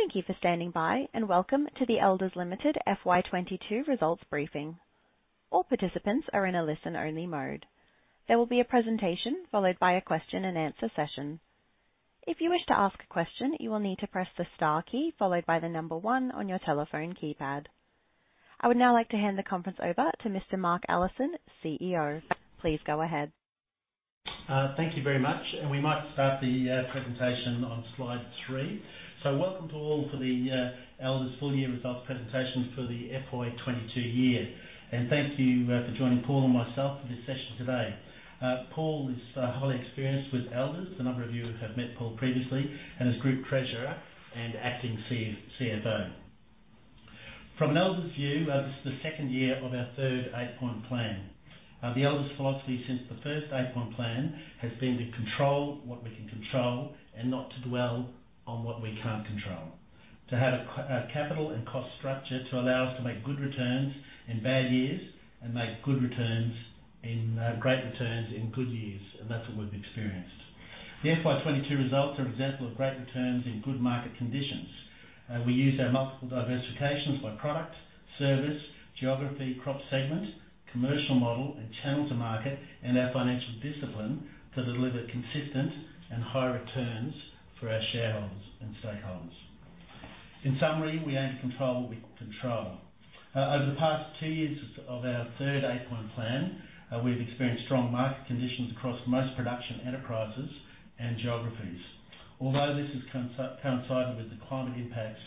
Thank you for standing by, and welcome to the Elders Limited FY 2022 Results Briefing. All participants are in a listen-only mode. There will be a presentation followed by a question and answer session. If you wish to ask a question, you will need to press the star key followed by the number one on your telephone keypad. I would now like to hand the conference over to Mr. Mark Allison, CEO. Please go ahead. Thank you very much. We might start the presentation on slide three. Welcome to all for the Elders full-year results presentation for the FY 2022 year. Thank you for joining Paul and myself for this session today. Paul is highly experienced with Elders. A number of you have met Paul previously and he is Group Treasurer and Acting CFO. From an Elders view, this is the second year of our third Eight Point Plan. The Elders philosophy since the first Eight Point Plan has been to control what we can control and not to dwell on what we can't control. To have a solid capital and cost structure to allow us to make good returns in bad years and make great returns in good years, and that's what we've experienced. The FY 2022 results are example of great returns in good market conditions. We use our multiple diversifications by product, service, geography, crop segment, commercial model, and channel to market, and our financial discipline to deliver consistent and high returns for our shareholders and stakeholders. In summary, we aim to control what we can control. Over the past two years of our third Eight Point Plan, we've experienced strong market conditions across most production enterprises and geographies. Although this has coincided with the climate impacts,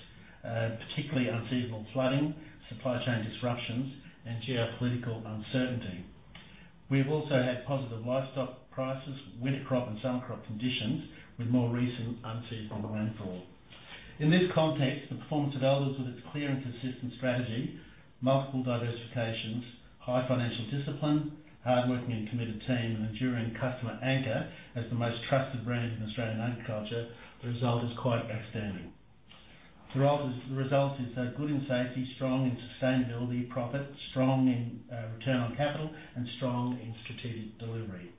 particularly unseasonal flooding, supply chain disruptions, and geopolitical uncertainty. We've also had positive livestock prices, winter crop and summer crop conditions with more recent unseasonal rainfall. In this context, the performance of Elders with its clear and consistent strategy, multiple diversifications, high financial discipline, hard-working and committed team, and enduring customer anchor as the most trusted brand in Australian agriculture, the result is quite outstanding. Throughout this, the result is good in safety, strong in sustainability, profit, strong in return on capital, and strong in strategic delivery.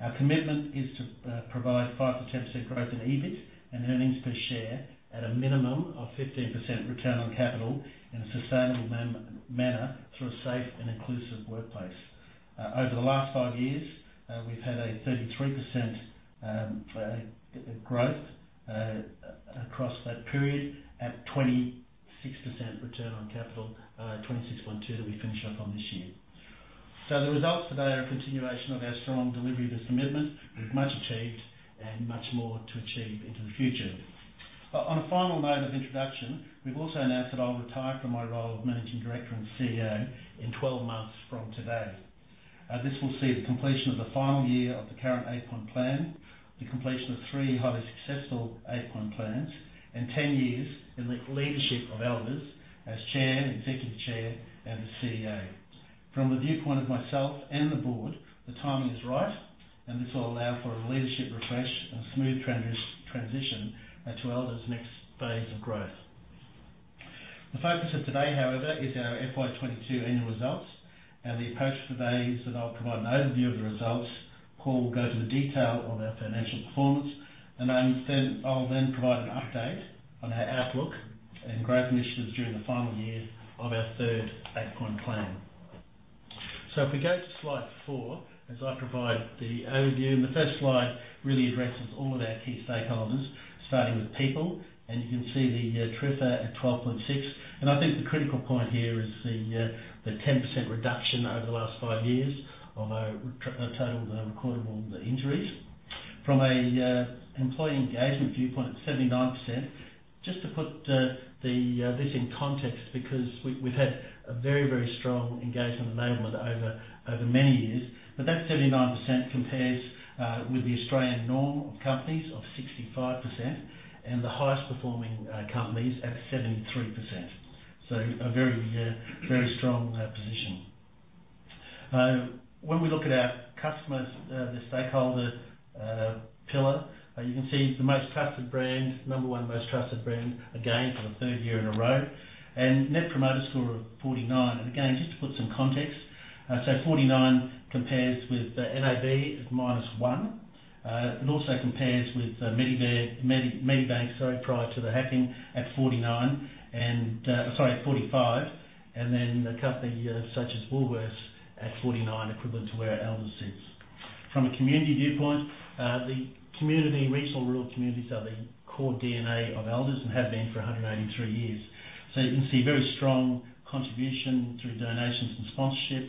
Our commitment is to provide 5%-10% growth in EBIT and earnings per share at a minimum of 15% return on capital in a sustainable manner through a safe and inclusive workplace. Over the last five years, we've had a 33% growth across that period at 26% return on capital, 26.2% that we finish up on this year. The results today are a continuation of our strong delivery of this commitment, with much achieved and much more to achieve into the future. On a final note of introduction, we've also announced that I'll retire from my role of Managing Director and CEO in 12 months from today. This will see the completion of the final year of the current Eight Point Plan, the completion of three highly successful Eight Point Plans, and 10 years in the leadership of Elders as Chair, Executive Chair and the CEO. From the viewpoint of myself and the board, the timing is right, and this will allow for a leadership refresh and smooth transition to Elders' next phase of growth. The focus of today, however, is our FY 2022 annual results. The approach today is that I'll provide an overview of the results. Paul will go to the detail on our financial performance, and I understand I'll then provide an update on our outlook and growth initiatives during the final year of our third Eight Point Plan. If we go to slide four as I provide the overview, and the first slide really addresses all of our key stakeholders, starting with people, and you can see the TRIFR at 12.6. I think the critical point here is the 10% reduction over the last five years of our total recordable injuries. From an employee engagement viewpoint, 79%, just to put this in context, because we have had a very, very strong engagement enablement over many years. That 79% compares with the Australian norm of companies of 65% and the highest performing companies at 73%. A very strong position. When we look at our customers, the stakeholder pillar, you can see the most trusted brand, number one most trusted brand again for the third year in a row, and Net Promoter Score of 49. Again, just to put some context, 49 compares with NAB at -1. It also compares with Medibank Private, sorry, prior to the hacking at 45. Then a company such as Woolworths at 49, equivalent to where Elders sits. From a community viewpoint, the community, regional rural communities are the core DNA of Elders and have been for 183 years. You can see very strong contribution through donations and sponsorship.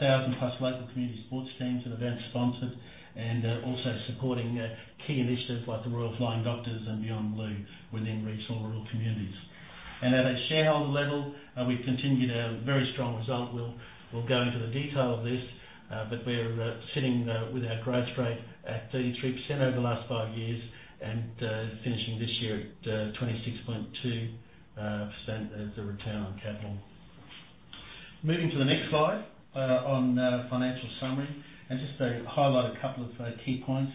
1,000+ local community sports teams and events sponsored and also supporting key initiatives like the Royal Flying Doctor Service and Beyond Blue within regional rural communities. At a shareholder level, we've continued our very strong result. We'll go into the detail of this, but we're sitting with our growth rate at 33% over the last five years and finishing this year at 26.2% as a return on capital. Moving to the next slide on financial summary. Just to highlight a couple of key points.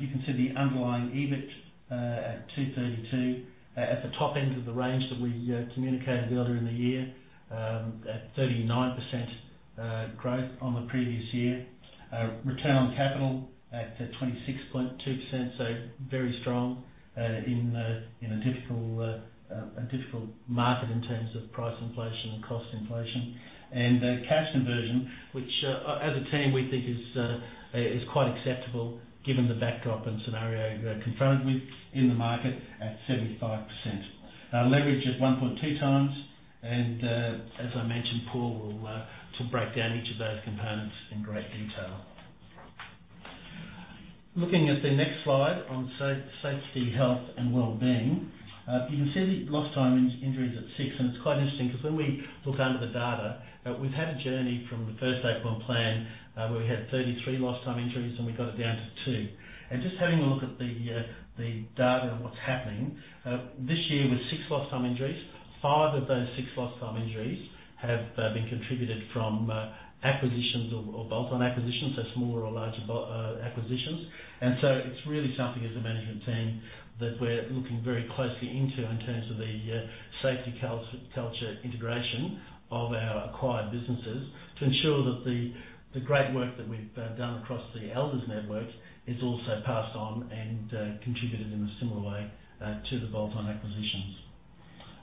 You can see the underlying EBIT at 232 million at the top end of the range that we communicated earlier in the year at 39% growth on the previous year. Return on capital at 26.2%, so very strong in a difficult market in terms of price inflation and cost inflation. Cash conversion, which as a team we think is quite acceptable given the backdrop and scenario we're confronted with in the market at 75%. Our leverage is 1.2x and, as I mentioned, Paul will to break down each of those components in great detail. Looking at the next slide on safety, health, and wellbeing. You can see the lost time injuries at six, and it's quite interesting because when we look under the data, we've had a journey from the first Eight Point Plan, where we had 33 lost time injuries, and we got it down to two. Just having a look at the data on what's happening this year with six lost time injuries, five of those six lost time injuries have been contributed from acquisitions or bolt-on acquisitions, so smaller or larger acquisitions. It's really something as a management team that we're looking very closely into in terms of the safety culture integration of our acquired businesses to ensure that the great work that we've done across the Elders networks is also passed on and contributed in a similar way to the bolt-on acquisitions.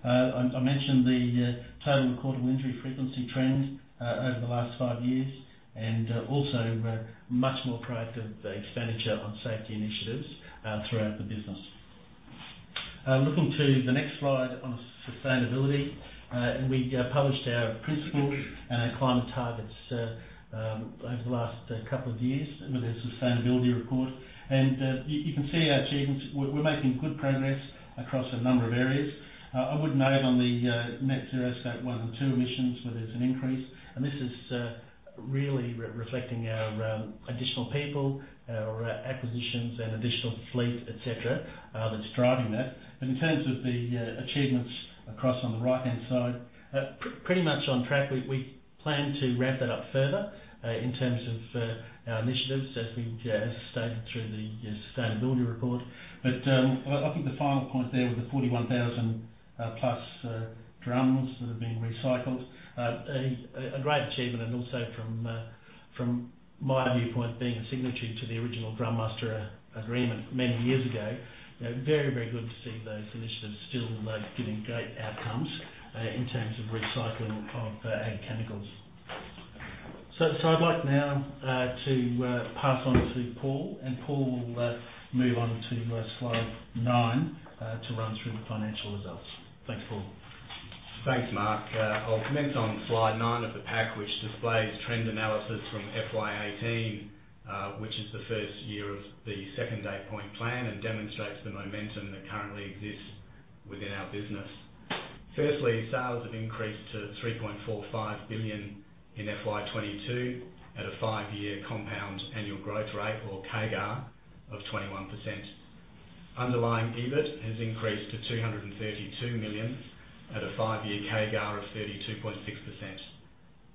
I mentioned the total recordable injury frequency trend over the last five years, and also we're much more proactive with expenditure on safety initiatives throughout the business. Looking to the next slide on sustainability. We published our principles and our climate targets over the last couple of years with our sustainability report. You can see our achievements. We're making good progress across a number of areas. I would note on the net zero Scope 1 and 2 emissions where there's an increase, and this is really reflecting our additional people, our acquisitions and additional fleet, et cetera, that's driving that. In terms of the achievements across on the right-hand side, pretty much on track. We plan to ramp that up further in terms of our initiatives as we've stated through the sustainability report. I think the final point there with the 41,000+ drums that have been recycled, a great achievement and also from my viewpoint being a signatory to the original drumMUSTER agreement many years ago, you know, very, very good to see those initiatives still, like, giving great outcomes, in terms of recycling of ag chemicals. I'd like now to pass on to Paul, and Paul will move on to slide nine to run through the financial results. Thanks, Paul. Thanks, Mark. I'll commence on slide nine of the pack which displays trend analysis from FY 2018, which is the first year of the second Eight Point Plan and demonstrates the momentum that currently exists within our business. Firstly, sales have increased to 3.45 billion in FY 2022 at a five-year compound annual growth rate or CAGR of 21%. Underlying EBIT has increased to 232 million at a five-year CAGR of 32.6%.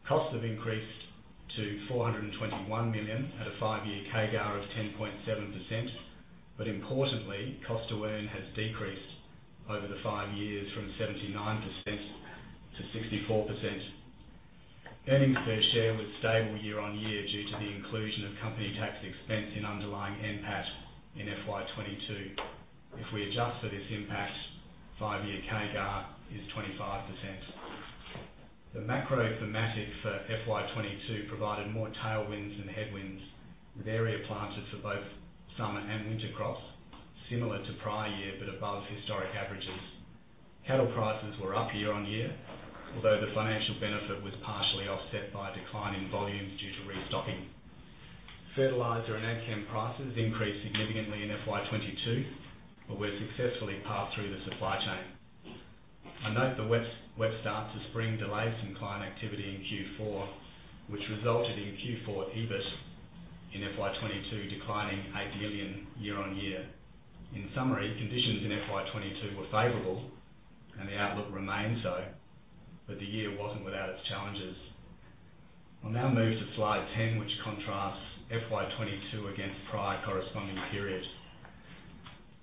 Costs have increased to 421 million at a five-year CAGR of 10.7%, but importantly, cost to earn has decreased over the five years from 79% to 64%. Earnings per share were stable year-on-year due to the inclusion of company tax expense in underlying NPAT in FY 2022. If we adjust for this impact, five-year CAGR is 25%. The macro thematic for FY 2022 provided more tailwinds than headwinds, with area planted for both summer and winter crops similar to prior year but above historic averages. Cattle prices were up year-on-year, although the financial benefit was partially offset by a decline in volumes due to restocking. Fertilizer and AgChem prices increased significantly in FY 2022, but were successfully passed through the supply chain. I note the wet start to spring delayed some client activity in Q4, which resulted in Q4 EBIT in FY 2022 declining 8 million year-on-year. In summary, conditions in FY 2022 were favorable, and the outlook remains so, but the year wasn't without its challenges. I'll now move to slide 10, which contrasts FY 2022 against prior corresponding periods.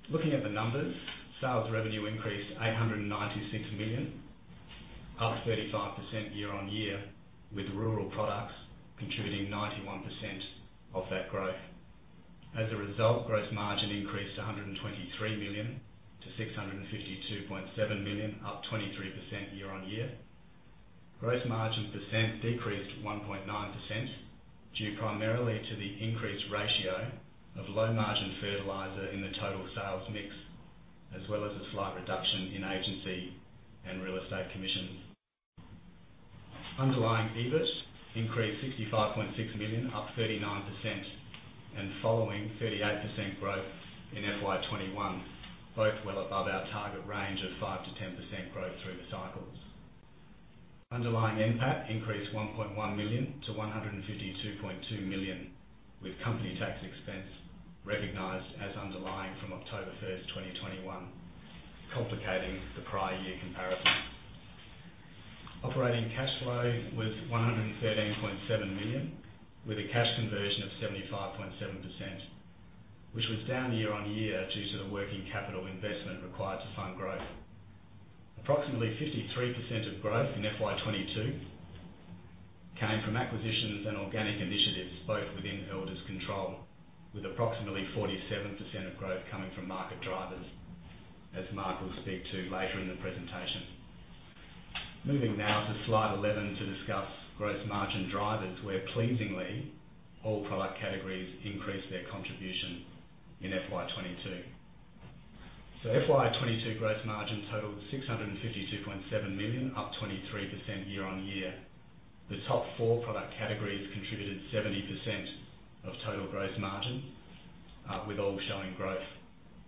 Looking at the numbers, sales revenue increased 896 million, up 35% year-on-year, with rural products contributing 91% of that growth. As a result, gross margin increased 123 million to 652.7 million, up 23% year-on-year. Gross margin percent decreased 1.9% due primarily to the increased ratio of low-margin fertilizer in the total sales mix, as well as a slight reduction in agency and real estate commissions. Underlying EBIT increased 65.6 million, up 39%, and following 38% growth in FY 2021, both well above our target range of 5%-10% growth through the cycles. Underlying NPAT increased 1.1 million to 152.2 million with company tax expense recognized as underlying from October 1st, 2021, complicating the prior year comparison. Operating cash flow was 113.7 million, with a cash conversion of 75.7%, which was down year-on-year due to the working capital investment required to fund growth. Approximately 53% of growth in FY 2022 came from acquisitions and organic initiatives, both within Elders control, with approximately 47% of growth coming from market drivers, as Mark will speak to later in the presentation. Moving now to slide 11 to discuss gross margin drivers, where pleasingly all product categories increased their contribution in FY 2022. FY 2022 gross margin totaled 652.7 million, up 23% year-on-year. The top four product categories contributed 70% of total gross margin, with all showing growth.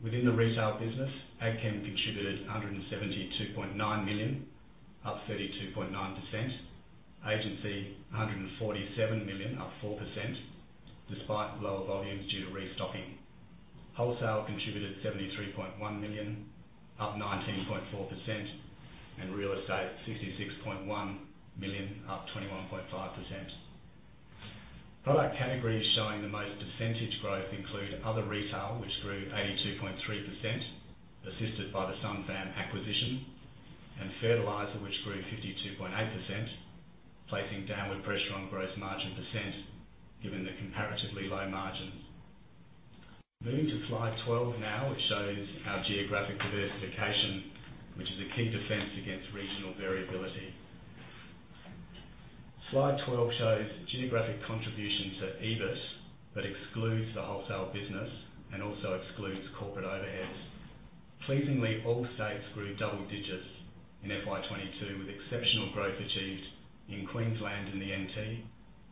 Within the retail business, AgChem contributed 172.9 million, up 32.9%. Agency, 147 million, up 4% despite lower volumes due to restocking. Wholesale contributed 73.1 million, up 19.4%. Real estate, 66.1 million, up 21.5%. Product categories showing the most percentage growth include other retail, which grew 82.3%, assisted by the Sunfam acquisition, and fertilizer, which grew 52.8%, placing downward pressure on gross margin percent, given the comparatively low margin. Moving to slide 12 now, which shows our geographic diversification, which is a key defense against regional variability. Slide 12 shows geographic contributions at EBIT that excludes the wholesale business and also excludes corporate overheads. Pleasingly, all states grew double digits in FY 2022, with exceptional growth achieved in Queensland and the NT,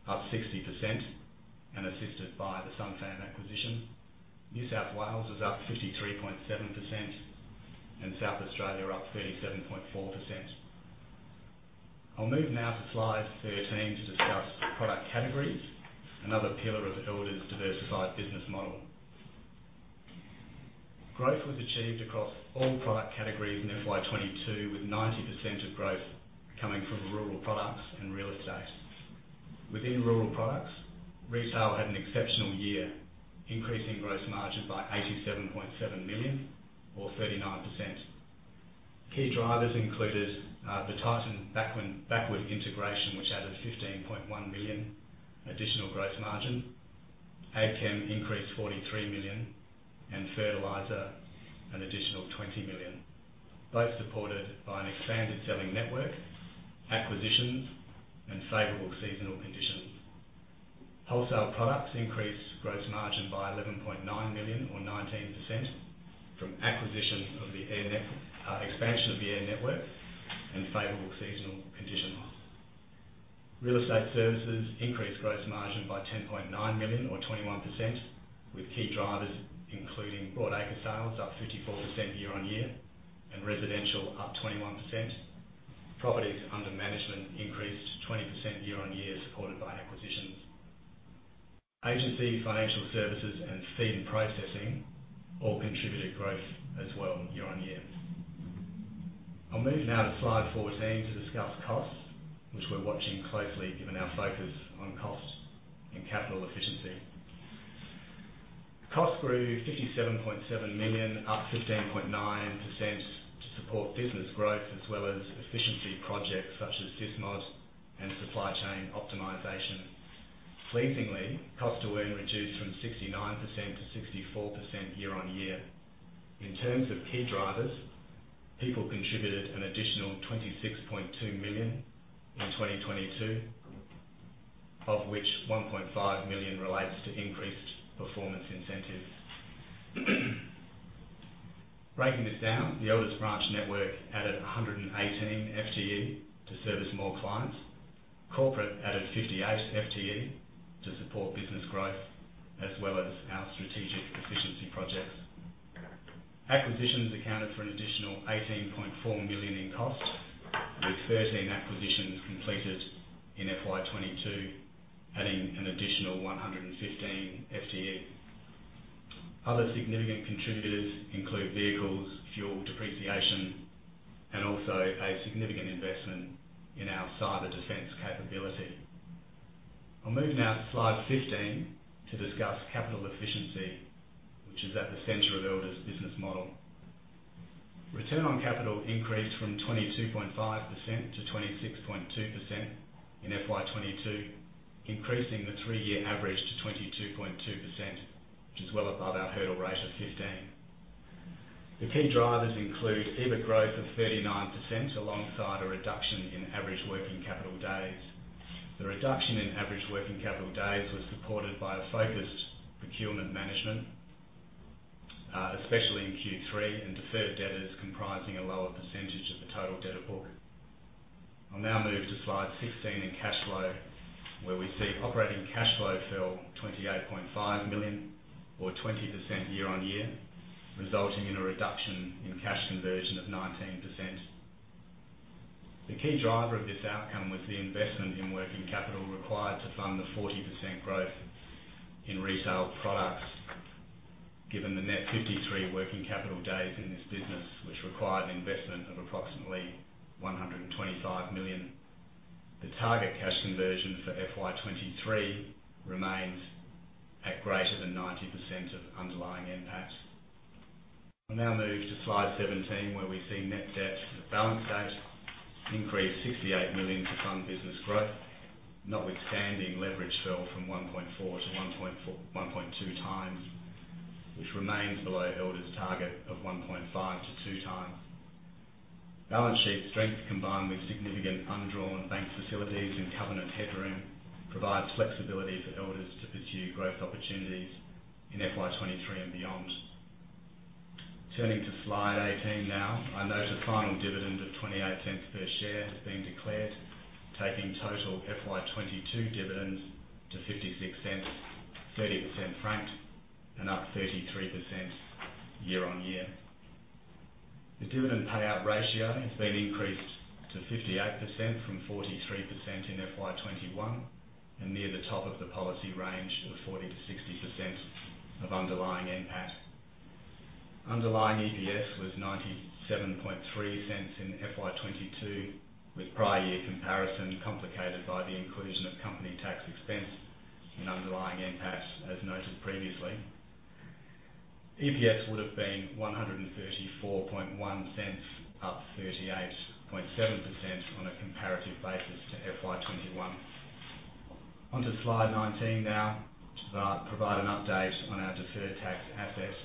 up 60% and assisted by the Sunfam acquisition. New South Wales is up 53.7% and South Australia up 37.4%. I'll move now to slide 13 to discuss product categories, another pillar of Elders' diversified business model. Growth was achieved across all product categories in FY 2022, with 90% of growth coming from rural products and real estate. Within rural products, retail had an exceptional year, increasing gross margins by 87.7 million or 39%. Key drivers included the Titan backward integration, which added 15.1 million additional gross margin. AgChem increased 43 million and fertilizer an additional 20 million, both supported by an expanded selling network, acquisitions, and favorable seasonal conditions. Wholesale products increased gross margin by 11.9 million or 19% from expansion of the AIRR network and favorable seasonal conditions. Real estate services increased gross margin by 10.9 million or 21%, with key drivers including broad acre sales up 54% year-on-year, and residential up 21%. Properties under management increased 20% year-on-year, supported by acquisitions. Agency, financial services, and seed processing all contributed growth as well year-on-year. I'll move now to slide 14 to discuss costs, which we're watching closely, given our focus on costs and capital efficiency. Costs grew 57.7 million, up 15.9% to support business growth as well as efficiency projects such as SysMod and supply chain optimization. Pleasingly, cost to earn reduced from 69% to 64% year-on-year. In terms of key drivers, people contributed an additional 26.2 million in 2022, of which 1.5 million relates to increased performance incentives. Breaking this down, the Elders branch network added 118 FTE to service more clients. Corporate added 58 FTE to support business growth as well as our strategic efficiency projects. Acquisitions accounted for an additional 18.4 million in costs, with 13 acquisitions completed in FY 2022, adding an additional 115 FTE. Other significant contributors include vehicles, fuel depreciation, and also a significant investment in our cyber defense capability. I'll move now to slide 15 to discuss capital efficiency, which is at the center of Elders' business model. Return on capital increased from 22.5% to 26.2% in FY 2022, increasing the three-year average to 22.2%, which is well above our hurdle rate of 15%. The key drivers include EBIT growth of 39% alongside a reduction in average working capital days. The reduction in average working capital days was supported by a focused procurement management, especially in Q3, and deferred debtors comprising a lower percentage of the total debtor book. I'll now move to slide 16 in cash flow, where we see operating cash flow fell 28.5 million or 20% year-on-year, resulting in a reduction in cash conversion of 19%. The key driver of this outcome was the investment in working capital required to fund the 40% growth in retail products, given the net 53 working capital days in this business, which required investment of approximately 125 million. The target cash conversion for FY 2023 remains at greater than 90% of underlying NPAT. I'll now move to slide 17, where we see net debt to the balance date increase 68 million to fund business growth, notwithstanding leverage fell from 1.4x to 1.2x, which remains below Elders target of 1.5x-2x. Balance sheet strength, combined with significant undrawn bank facilities and covenant headroom, provides flexibility for Elders to pursue growth opportunities in FY 2023 and beyond. Turning to slide 18 now, I note a final dividend of 0.28 per share has been declared, taking total FY 2022 dividends to 0.56, 30% franked and up 33% year-on-year. The dividend payout ratio has been increased to 58% from 43% in FY 2021 and near the top of the policy range of 40%-60% of underlying NPAT. Underlying EPS was 0.973 in FY 2022, with prior year comparison complicated by the inclusion of company tax expense in underlying NPAT as noted previously. EPS would have been 1.341, up 38.7% on a comparative basis to FY 2021. Onto slide 19 now, to provide an update on our deferred tax assets.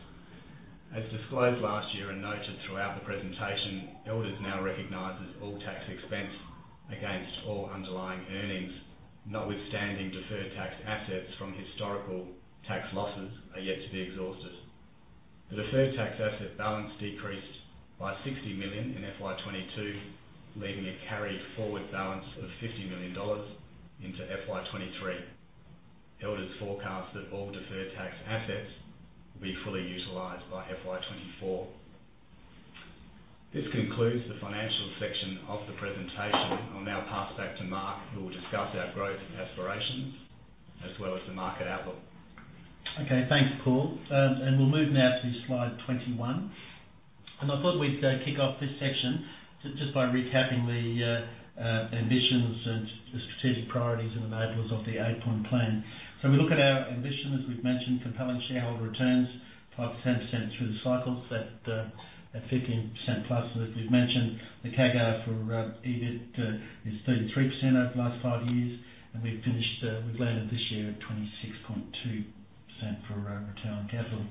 As disclosed last year and noted throughout the presentation, Elders now recognizes all tax expense against all underlying earnings, notwithstanding deferred tax assets from historical tax losses are yet to be exhausted. The deferred tax asset balance decreased by 60 million in FY 2022, leaving a carry forward balance of 50 million dollars into FY 2023. Elders forecast that all deferred tax assets will be fully utilized by FY 2024. This concludes the financial section of the presentation. I'll now pass back to Mark, who will discuss our growth aspirations as well as the market outlook. Okay, thanks, Paul. We'll move now to slide 21. I thought we'd kick off this section just by recapping the ambitions and the strategic priorities and enablers of the Eight Point Plan. We look at our ambition, as we've mentioned, compelling shareholder returns, 5%-10% through the cycles at 15%+. As we've mentioned, the CAGR for EBIT is 33% over the last five years, and we've finished, we've landed this year at 26.2% for return on capital.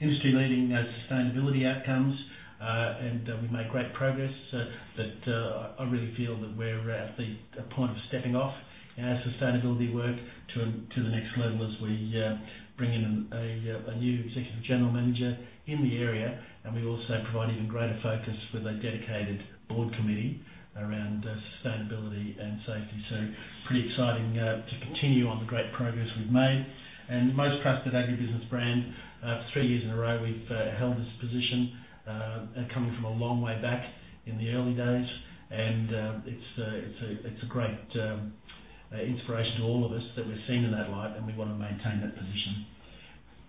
Industry-leading sustainability outcomes, and we've made great progress. I really feel that we're at the point of stepping off our sustainability work to the next level as we bring in a new executive general manager in the area. We also provide even greater focus with a dedicated board committee around sustainability and safety. Pretty exciting to continue on the great progress we've made. Most trusted agribusiness brand for three years in a row we've held this position and coming from a long way back in the early days. It's a great inspiration to all of us that we're seen in that light and we wanna maintain that position.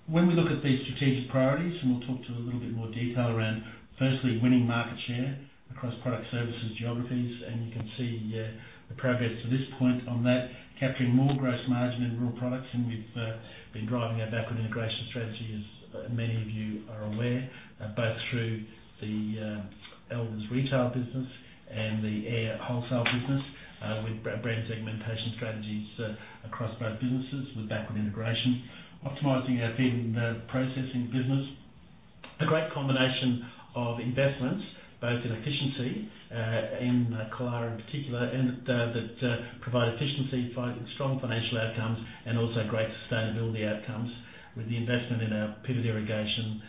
When we look at these strategic priorities, we'll talk to a little bit more detail around firstly, winning market share across product services, geographies, and you can see the progress to this point on that. Capturing more gross margin in rural products, and we've been driving our backward integration strategy, as many of you are aware, both through the Elders retail business and the AIRR wholesale business, with brand segmentation strategies across both businesses with backward integration. Optimizing our feed and processing business. A great combination of investments both in efficiency in Killara in particular, and that provide efficiency, strong financial outcomes and also great sustainability outcomes with the investment in our pivot irrigation,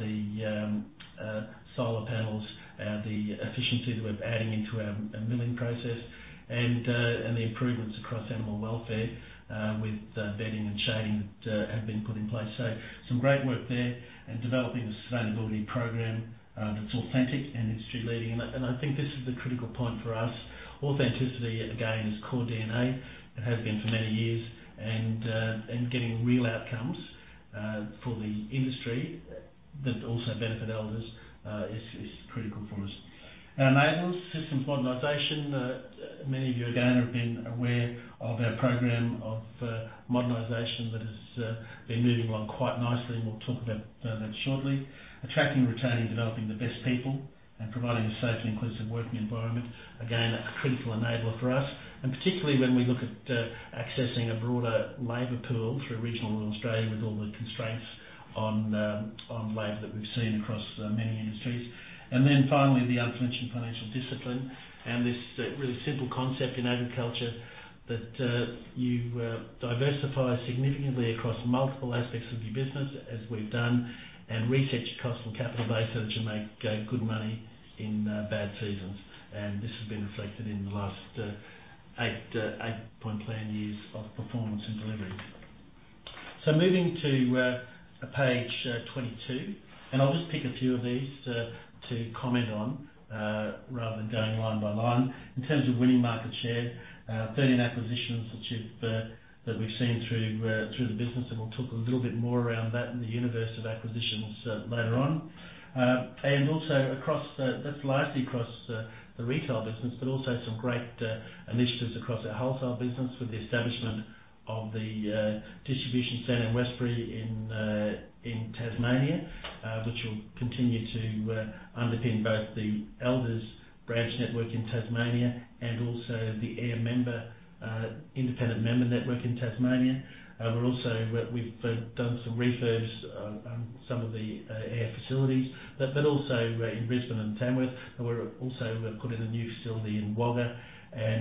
the solar panels, the efficiency that we're adding into our milling process and the improvements across animal welfare, with bedding and shading that have been put in place. Some great work there. Developing a sustainability program that's authentic and industry-leading. I think this is the critical point for us. Authenticity, again, is core DNA and has been for many years. Getting real outcomes for the industry that also benefit Elders is critical for us. Our enablers, systems modernization. Many of you, again, have been aware of our program of modernization that has been moving along quite nicely, and we'll talk about that shortly. Attracting, retaining, developing the best people and providing a safe and inclusive working environment. Again, a critical enabler for us, and particularly when we look at accessing a broader labor pool through regional Australia with all the constraints on labor that we've seen across many industries. Then finally, the aforementioned financial discipline and this really simple concept in agriculture that you diversify significantly across multiple aspects of your business as we've done, and reset your cost and capital base so that you make good money in bad seasons. This has been reflected in the last Eight Point Plan years of performance and delivery. Moving to page 22, and I'll just pick a few of these to comment on, rather than going line by line. In terms of winning market share, 13 acquisitions that we've seen through the business, and we'll talk a little bit more around that in the universe of acquisitions later on. That's largely across the retail business, but also some great initiatives across our wholesale business with the establishment of the distribution center in Westbury in Tasmania, which will continue to underpin both the Elders branch network in Tasmania and also the AIRR member independent member network in Tasmania. We've done some refurbs on some of the AIRR facilities, but also in Brisbane and Tamworth. We've put in a new facility in Wagga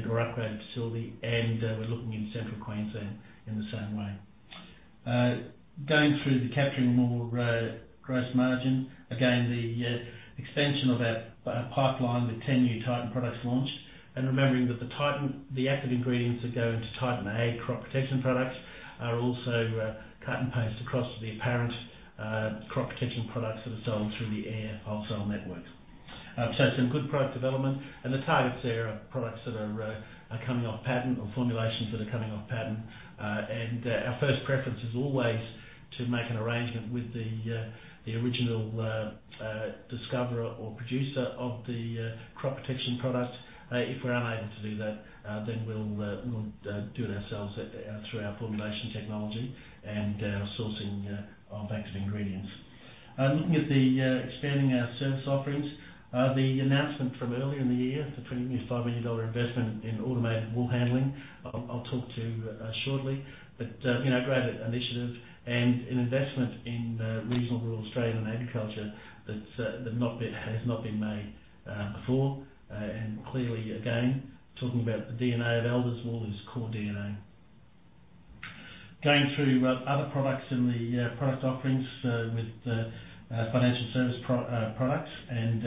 or upgraded facility, and we're looking in Central Queensland in the same way. Going through the capturing more gross margin. Again, the expansion of our pipeline with 10 new Titan products launched and remembering that the Titan, the active ingredients that go into Titan, our crop protection products, are also cut and paste across the parent crop protection products that are sold through the AIRR wholesale network. So some good product development and the targets there are products that are coming off patent or formulations that are coming off patent. Our first preference is always to make an arrangement with the original discoverer or producer of the crop protection product. If we're unable to do that, then we'll do it ourselves through our formulation technology and sourcing our banks of ingredients. Looking at expanding our service offerings. The announcement from earlier in the year, the 25 million dollar investment in automated wool handling. I'll talk to it shortly, but you know, a great initiative and an investment in regional rural Australian agriculture that's has not been made before. Clearly again, talking about the DNA of Elders, wool is core DNA. Going through other products in the product offerings with our financial services products and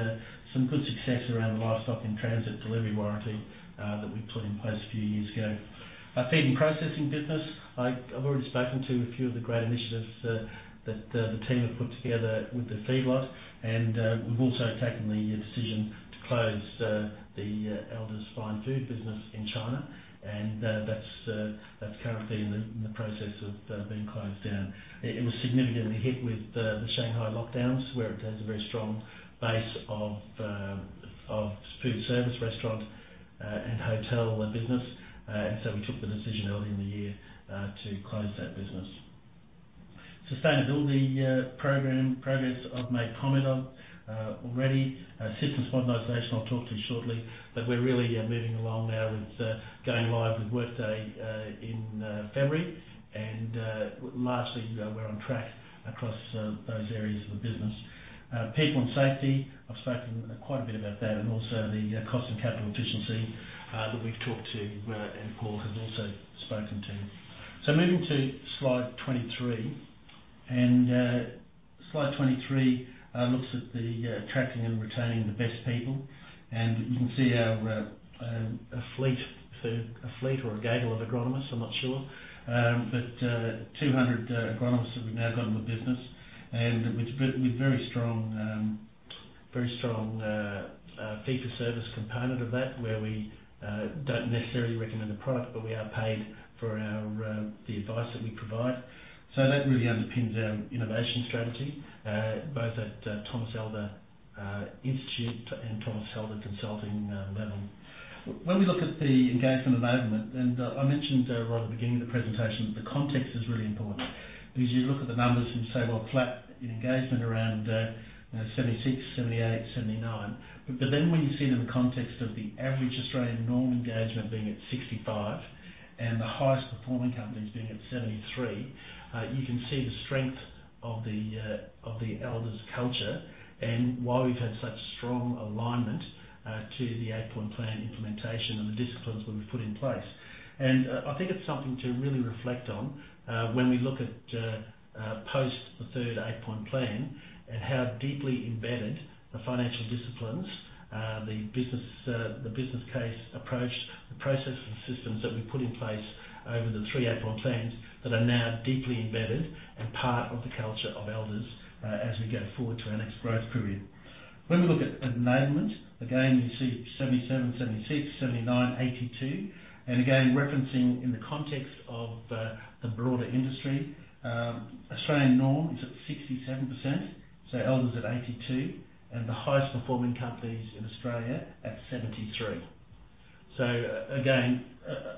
some good success around the Livestock in Transit Delivery Warranty that we put in place a few years ago. Our feed and processing business. I've already spoken to a few of the great initiatives that the team have put together with the feedlots, and we've also taken the decision to close the Elders Fine Foods business in China. That's currently in the process of being closed down. It was significantly hit with the Shanghai lockdowns, where it has a very strong base of foodservice restaurant and hotel business. We took the decision early in the year to close that business. Sustainability program progress I've made comment on already. Our systems modernization I'll talk to shortly, but we're really moving along now with going live with Workday in February. Largely, we're on track across those areas of the business. People and safety. I've spoken quite a bit about that and also the cost and capital efficiency that we've talked to, and Paul has also spoken to. Moving to slide 23. Slide 23 looks at the attracting and retaining the best people. You can see our fleet or a gaggle of agronomists, I'm not sure. 200 agronomists that we've now got in the business and with very strong fee for service component of that, where we don't necessarily recommend a product, but we are paid for our advice that we provide. That really underpins our innovation strategy both at Thomas Elder Institute and Thomas Elder Consulting level. When we look at the engagement and enablement, and I mentioned right at the beginning of the presentation, the context is really important because you look at the numbers and say, "Well, flat in engagement around 76%, 78%, 79%." But then when you see it in the context of the average Australian norm engagement being at 65% and the highest performing companies being at 73%, you can see the strength of the Elders culture and why we've had such strong alignment to the Eight Point Plan implementation and the disciplines that we've put in place. I think it's something to really reflect on when we look at post the third Eight Point Plan and how deeply embedded the financial disciplines the business case approach the processes and systems that we put in place over the three Eight Point Plans that are now deeply embedded and part of the culture of Elders as we go forward to our next growth period. When we look at enablement, again, you see 77%, 76%, 79%, 82%. Again, referencing in the context of the broader industry, Australian norm is at 67%, so Elders at 82% and the highest performing companies in Australia at 73%. Again,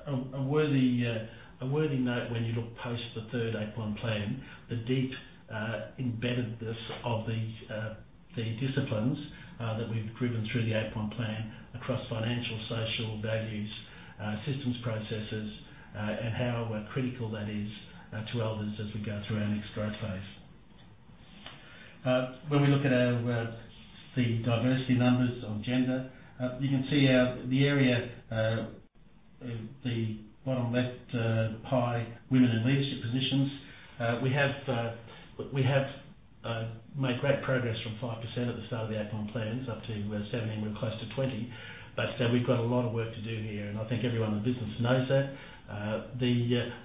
a worthy note when you look past the third Eight Point Plan, the deep embeddedness of the disciplines that we've driven through the Eight Point Plan across financial, social, values, systems, processes, and how critical that is to Elders as we go through our next growth phase. When we look at our diversity numbers on gender, you can see in the bottom left pie women in leadership positions. We have made great progress from 5% at the start of the Eight Point Plan up to 17%. We're close to 20%, but we've got a lot of work to do here, and I think everyone in the business knows that.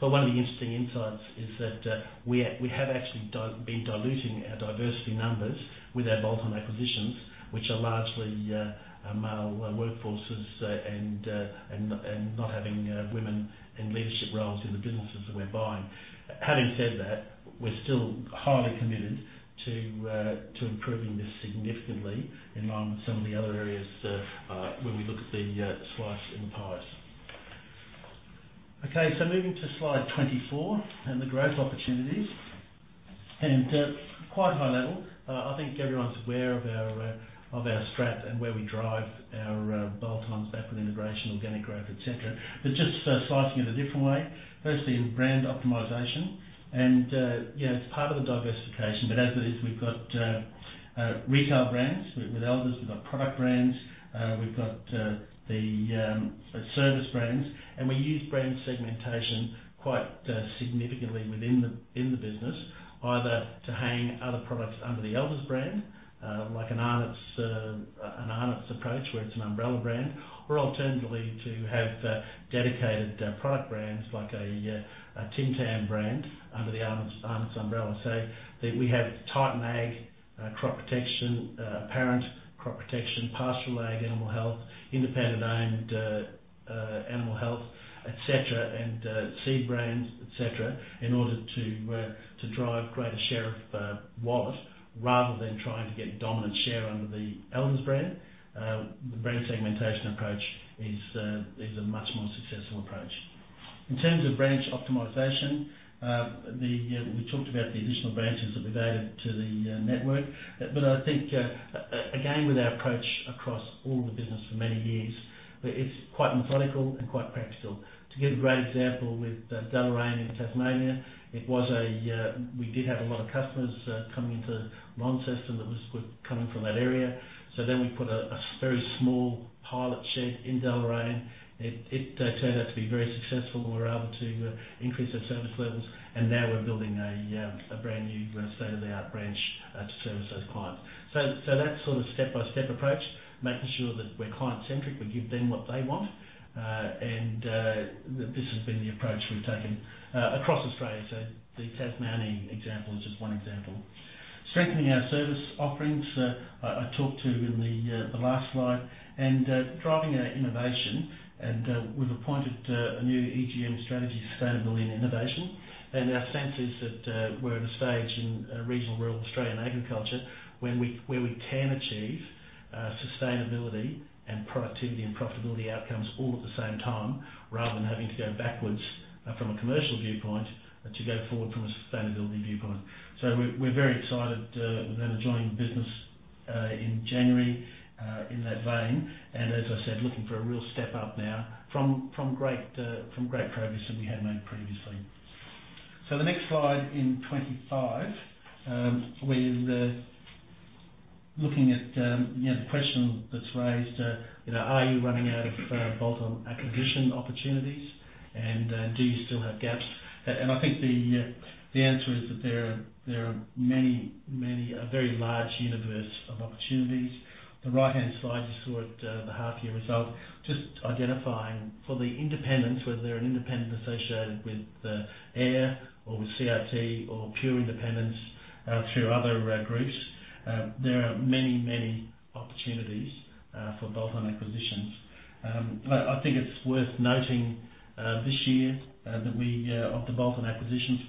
One of the interesting insights is that we have actually been diluting our diversity numbers with our bolt-on acquisitions, which are largely all-male workforces and not having women in leadership roles in the businesses that we're buying. Having said that, we're still highly committed to improving this significantly in line with some of the other areas when we look at the slices in the pies. Okay, moving to slide 24 and the growth opportunities. Quite high level, I think everyone's aware of our strategy and where we drive our bolt-ons, backward integration, organic growth, et cetera. Just slicing it a different way, firstly in brand optimization and, yeah, it's part of the diversification, but as it is, we've got retail brands with Elders, we've got product brands, we've got the service brands, and we use brand segmentation quite significantly within the business either to hang other products under the Elders brand, like an Arnott's, an Arnott's approach, where it's an umbrella brand, or alternatively, to have dedicated product brands like a Tim Tam brand under the Arnott's umbrella. We have Titan Ag, Crop Protection, Apparent Crop Protection, Pastoral Ag, Animal Health, independent-owned, Animal Health, et cetera, and seed brands, et cetera, in order to drive greater share of wallet rather than trying to get dominant share under the Elders brand. The brand segmentation approach is a much more successful approach. In terms of branch optimization, we talked about the additional branches that we've added to the network. I think, again, with our approach across all of the business for many years, it's quite methodical and quite practical. To give a great example with Deloraine in Tasmania, it was a. We did have a lot of customers coming into Launceston that was coming from that area. Then we put a very small pilot shed in Deloraine. It turned out to be very successful. We were able to increase our service levels, and now we're building a brand new state-of-the-art branch to service those clients. That sort of step-by-step approach, making sure that we're client-centric, we give them what they want, and this has been the approach we've taken across Australia. The Tasmanian example is just one example. Strengthening our service offerings, I talked about in the last slide, and driving our innovation, and we've appointed a new AGM strategy, sustainability and innovation. Our sense is that we're at a stage in regional rural Australian agriculture where we can achieve sustainability and productivity and profitability outcomes all at the same time rather than having to go backwards from a commercial viewpoint to go forward from a sustainability viewpoint. We're very excited with them joining the business in January in that vein, and as I said, looking for a real step up now from great progress that we had made previously. The next slide in 25, we're looking at, you know, the question that's raised, you know, are you running out of bolt-on acquisition opportunities and do you still have gaps? I think the answer is that there are many, a very large universe of opportunities. The right-hand side, you saw it, the half-year result, just identifying for the independents, whether they're an independent associated with AIRR or with CRT or pure independents through other groups. There are many opportunities for bolt-on acquisitions. I think it's worth noting this year that of the bolt-on acquisitions,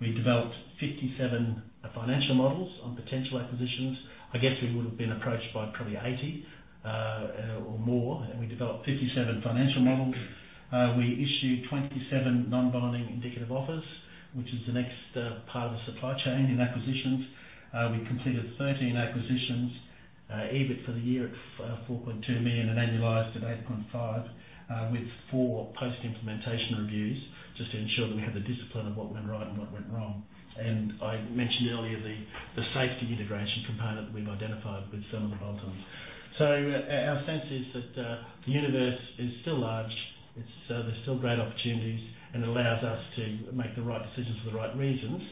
we developed 57 financial models on potential acquisitions. I guess we would've been approached by probably 80 or more, and we developed 57 financial models. We issued 27 non-binding indicative offers, which is the next part of the supply chain in acquisitions. We completed 13 acquisitions, EBIT for the year at 4.2 million and annualized at 8.5 million, with four post-implementation reviews, just to ensure that we have the discipline of what went right and what went wrong. I mentioned earlier the safety integration component that we've identified with some of the bolt-ons. Our sense is that the universe is still large. It's, there's still great opportunities and allows us to make the right decisions for the right reasons,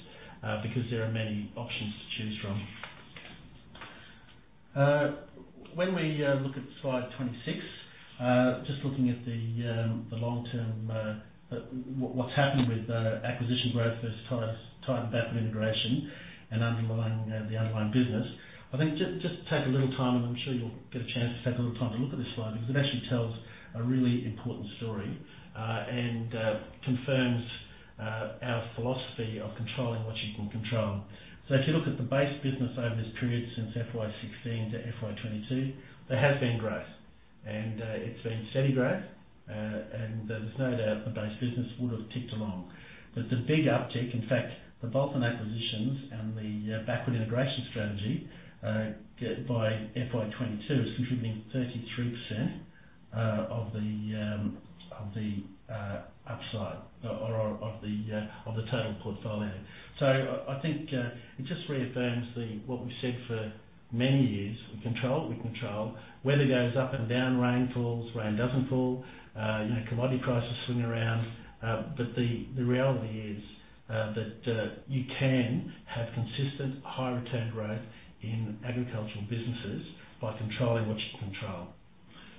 because there are many options to choose from. When we look at slide 26, just looking at the long-term, what's happened with acquisition growth versus tight backward integration and underlying the underlying business. I think just take a little time, and I'm sure you'll get a chance to take a little time to look at this slide because it actually tells a really important story, and confirms our philosophy of controlling what you can control. If you look at the base business over this period since FY 2016 to FY 2022, there has been growth and it's been steady growth. There's no doubt the base business would have ticked along. The big uptick, in fact, the bolt-on acquisitions and the backward integration strategy by FY 2022 is contributing 33% of the total portfolio. I think it just reaffirms what we've said for many years. We control what we control. Weather goes up and down, rain falls, rain doesn't fall, you know, commodity prices swing around. The reality is that you can have consistent high return growth in agricultural businesses by controlling what you can control.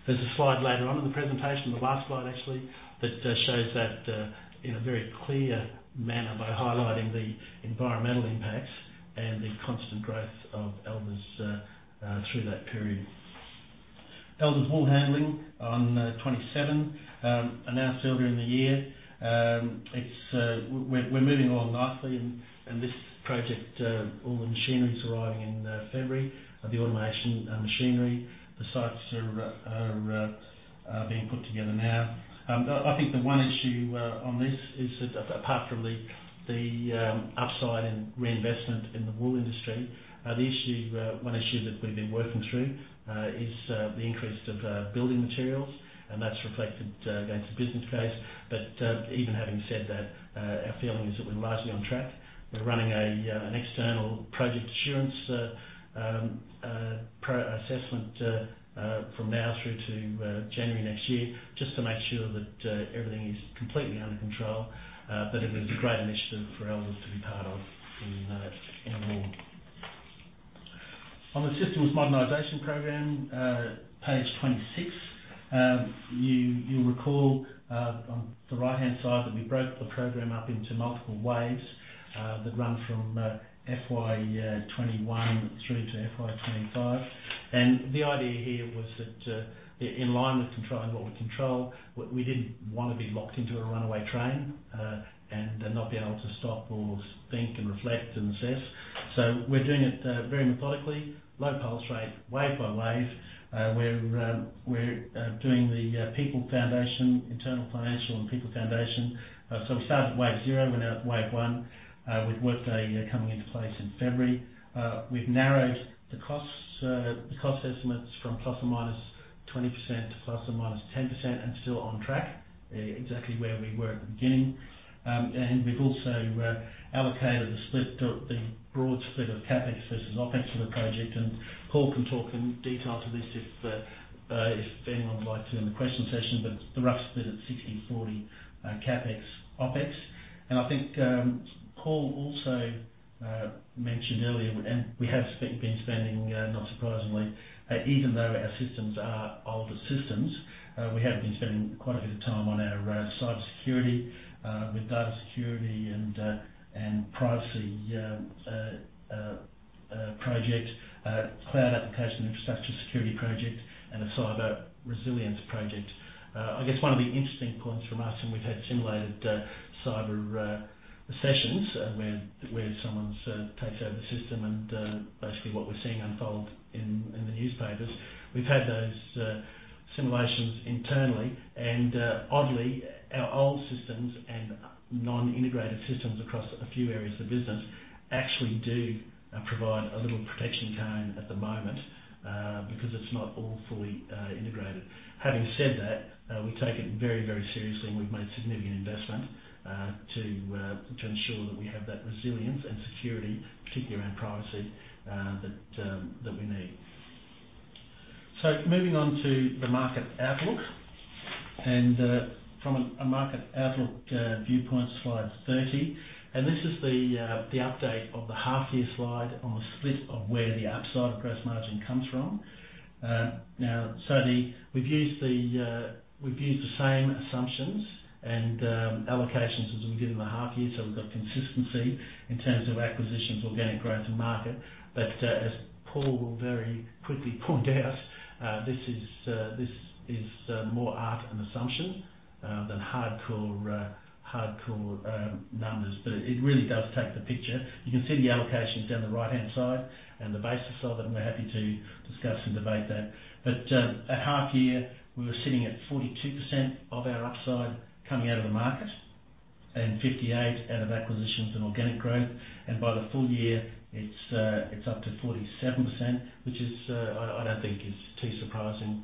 There's a slide later on in the presentation, the last slide actually, that shows that in a very clear manner by highlighting the environmental impacts and the constant growth of Elders through that period. Elders Wool handling on 27 announced earlier in the year. We're moving along nicely and this project, all the machinery's arriving in February, the automation machinery. The sites are being put together now. I think the one issue on this is that apart from the upside and reinvestment in the wool industry, the one issue that we've been working through is the increase of building materials, and that's reflected against the business case. Even having said that, our feeling is that we're largely on track. We're running an external project assurance peer assessment from now through to January next year, just to make sure that everything is completely under control. It is a great initiative for Elders to be part of in wool. On the systems modernization program, page 26, you'll recall on the right-hand side that we broke the program up into multiple waves that run from FY 2021 through to FY 2025. The idea here was that in line with controlling what we control, we didn't wanna be locked into a runaway train and not be able to stop or think and reflect and assess. We're doing it very methodically, low pulse rate, wave by wave. We're doing the people foundation, internal financial and people foundation. We started at wave 0, we're now at wave 1. We've worked a coming into place in February. We've narrowed the cost estimates from ±20% to ±10% and still on track, exactly where we were at the beginning. We've also allocated the broad split of CapEx versus OpEx for the project. Paul can talk in detail to this if anyone would like to in the question session, but the rough split is 60/40 CapEx/OpEx. I think Paul also mentioned earlier, and we have been spending, not surprisingly, even though our systems are older systems, we have been spending quite a bit of time on our cybersecurity, with data security and privacy project, cloud application infrastructure security project, and a cyber resilience project. I guess one of the interesting points from us, and we've had simulated cyber sessions where someone takes over the system and basically what we're seeing unfold in the newspapers. We've had those simulations internally, and oddly, our old systems and non-integrated systems across a few areas of the business actually do provide a little protection zone at the moment, because it's not all fully integrated. Having said that, we take it very, very seriously, and we've made significant investment to ensure that we have that resilience and security, particularly around privacy, that we need. Moving on to the market outlook and from a market outlook viewpoint, slide 30. This is the update of the half-year slide on the split of where the upside of gross margin comes from. We've used the same assumptions and allocations as we did in the half-year, so we've got consistency in terms of acquisitions, organic growth and market. As Paul will very quickly point out, this is more art and assumption than hardcore numbers. It really does paint the picture. You can see the allocations down the right-hand side and the basis of it, and we're happy to discuss and debate that. At half-year, we were sitting at 42% of our upside coming out of the market and 58% out of acquisitions and organic growth. By the full-year, it's up to 47%, which is, I don't think, is too surprising,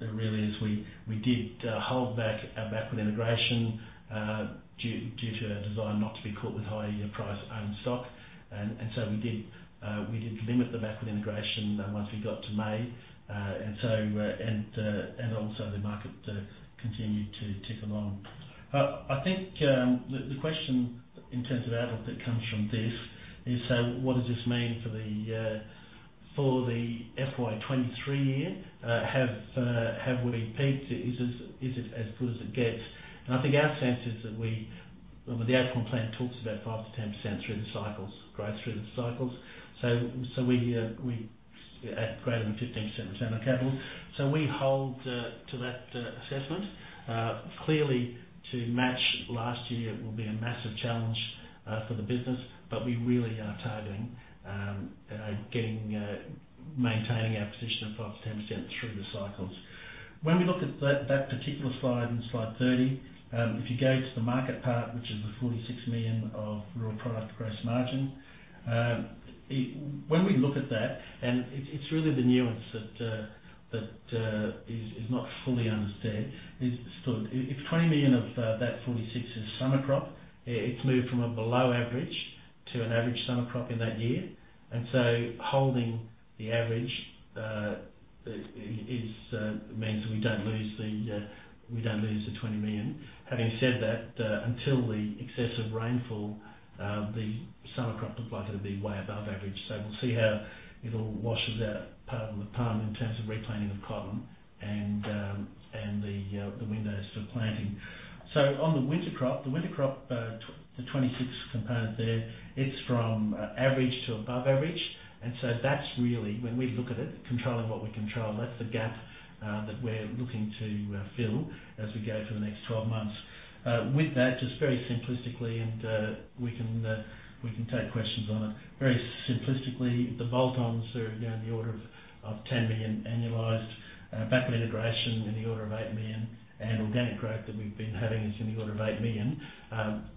really as we did hold back our backward integration due to a desire not to be caught with high unit price owned stock. So we did limit the backward integration once we got to May. Also the market continued to tick along. I think the question in terms of outlook that comes from this is, so what does this mean for the FY 2023 year? Have we peaked? Is this as good as it gets? I think our sense is that well the outcome plan talks about 5%-10% through the cycles, growth through the cycles. We at greater than 15% return on capital. We hold to that assessment. Clearly, to match last year will be a massive challenge for the business, but we really are targeting getting maintaining our position of 5%-10% through the cycles. When we look at that particular slide in slide 30, if you go to the market part, which is the 46 million of raw product gross margin, it. When we look at that, it's really the nuance that is not fully understood, is still if 20 million of that 46 million is summer crop, it's moved from below average to an average summer crop in that year. Holding the average is means we don't lose the 20 million. Having said that, until the excessive rainfall, the summer crop looked like it'd be way above average. We'll see how it all washes out part of the plan in terms of replanting of cotton and the windows for planting. On the winter crop, the 26 million component there, it's from average to above average. That's really when we look at it, controlling what we control, that's the gap that we're looking to fill as we go for the next 12 months. With that, just very simplistically, we can take questions on it. Very simplistically, the bolt-ons are, you know, in the order of 10 million annualized, backward integration in the order of 8 million, and organic growth that we've been having is in the order of 8 million.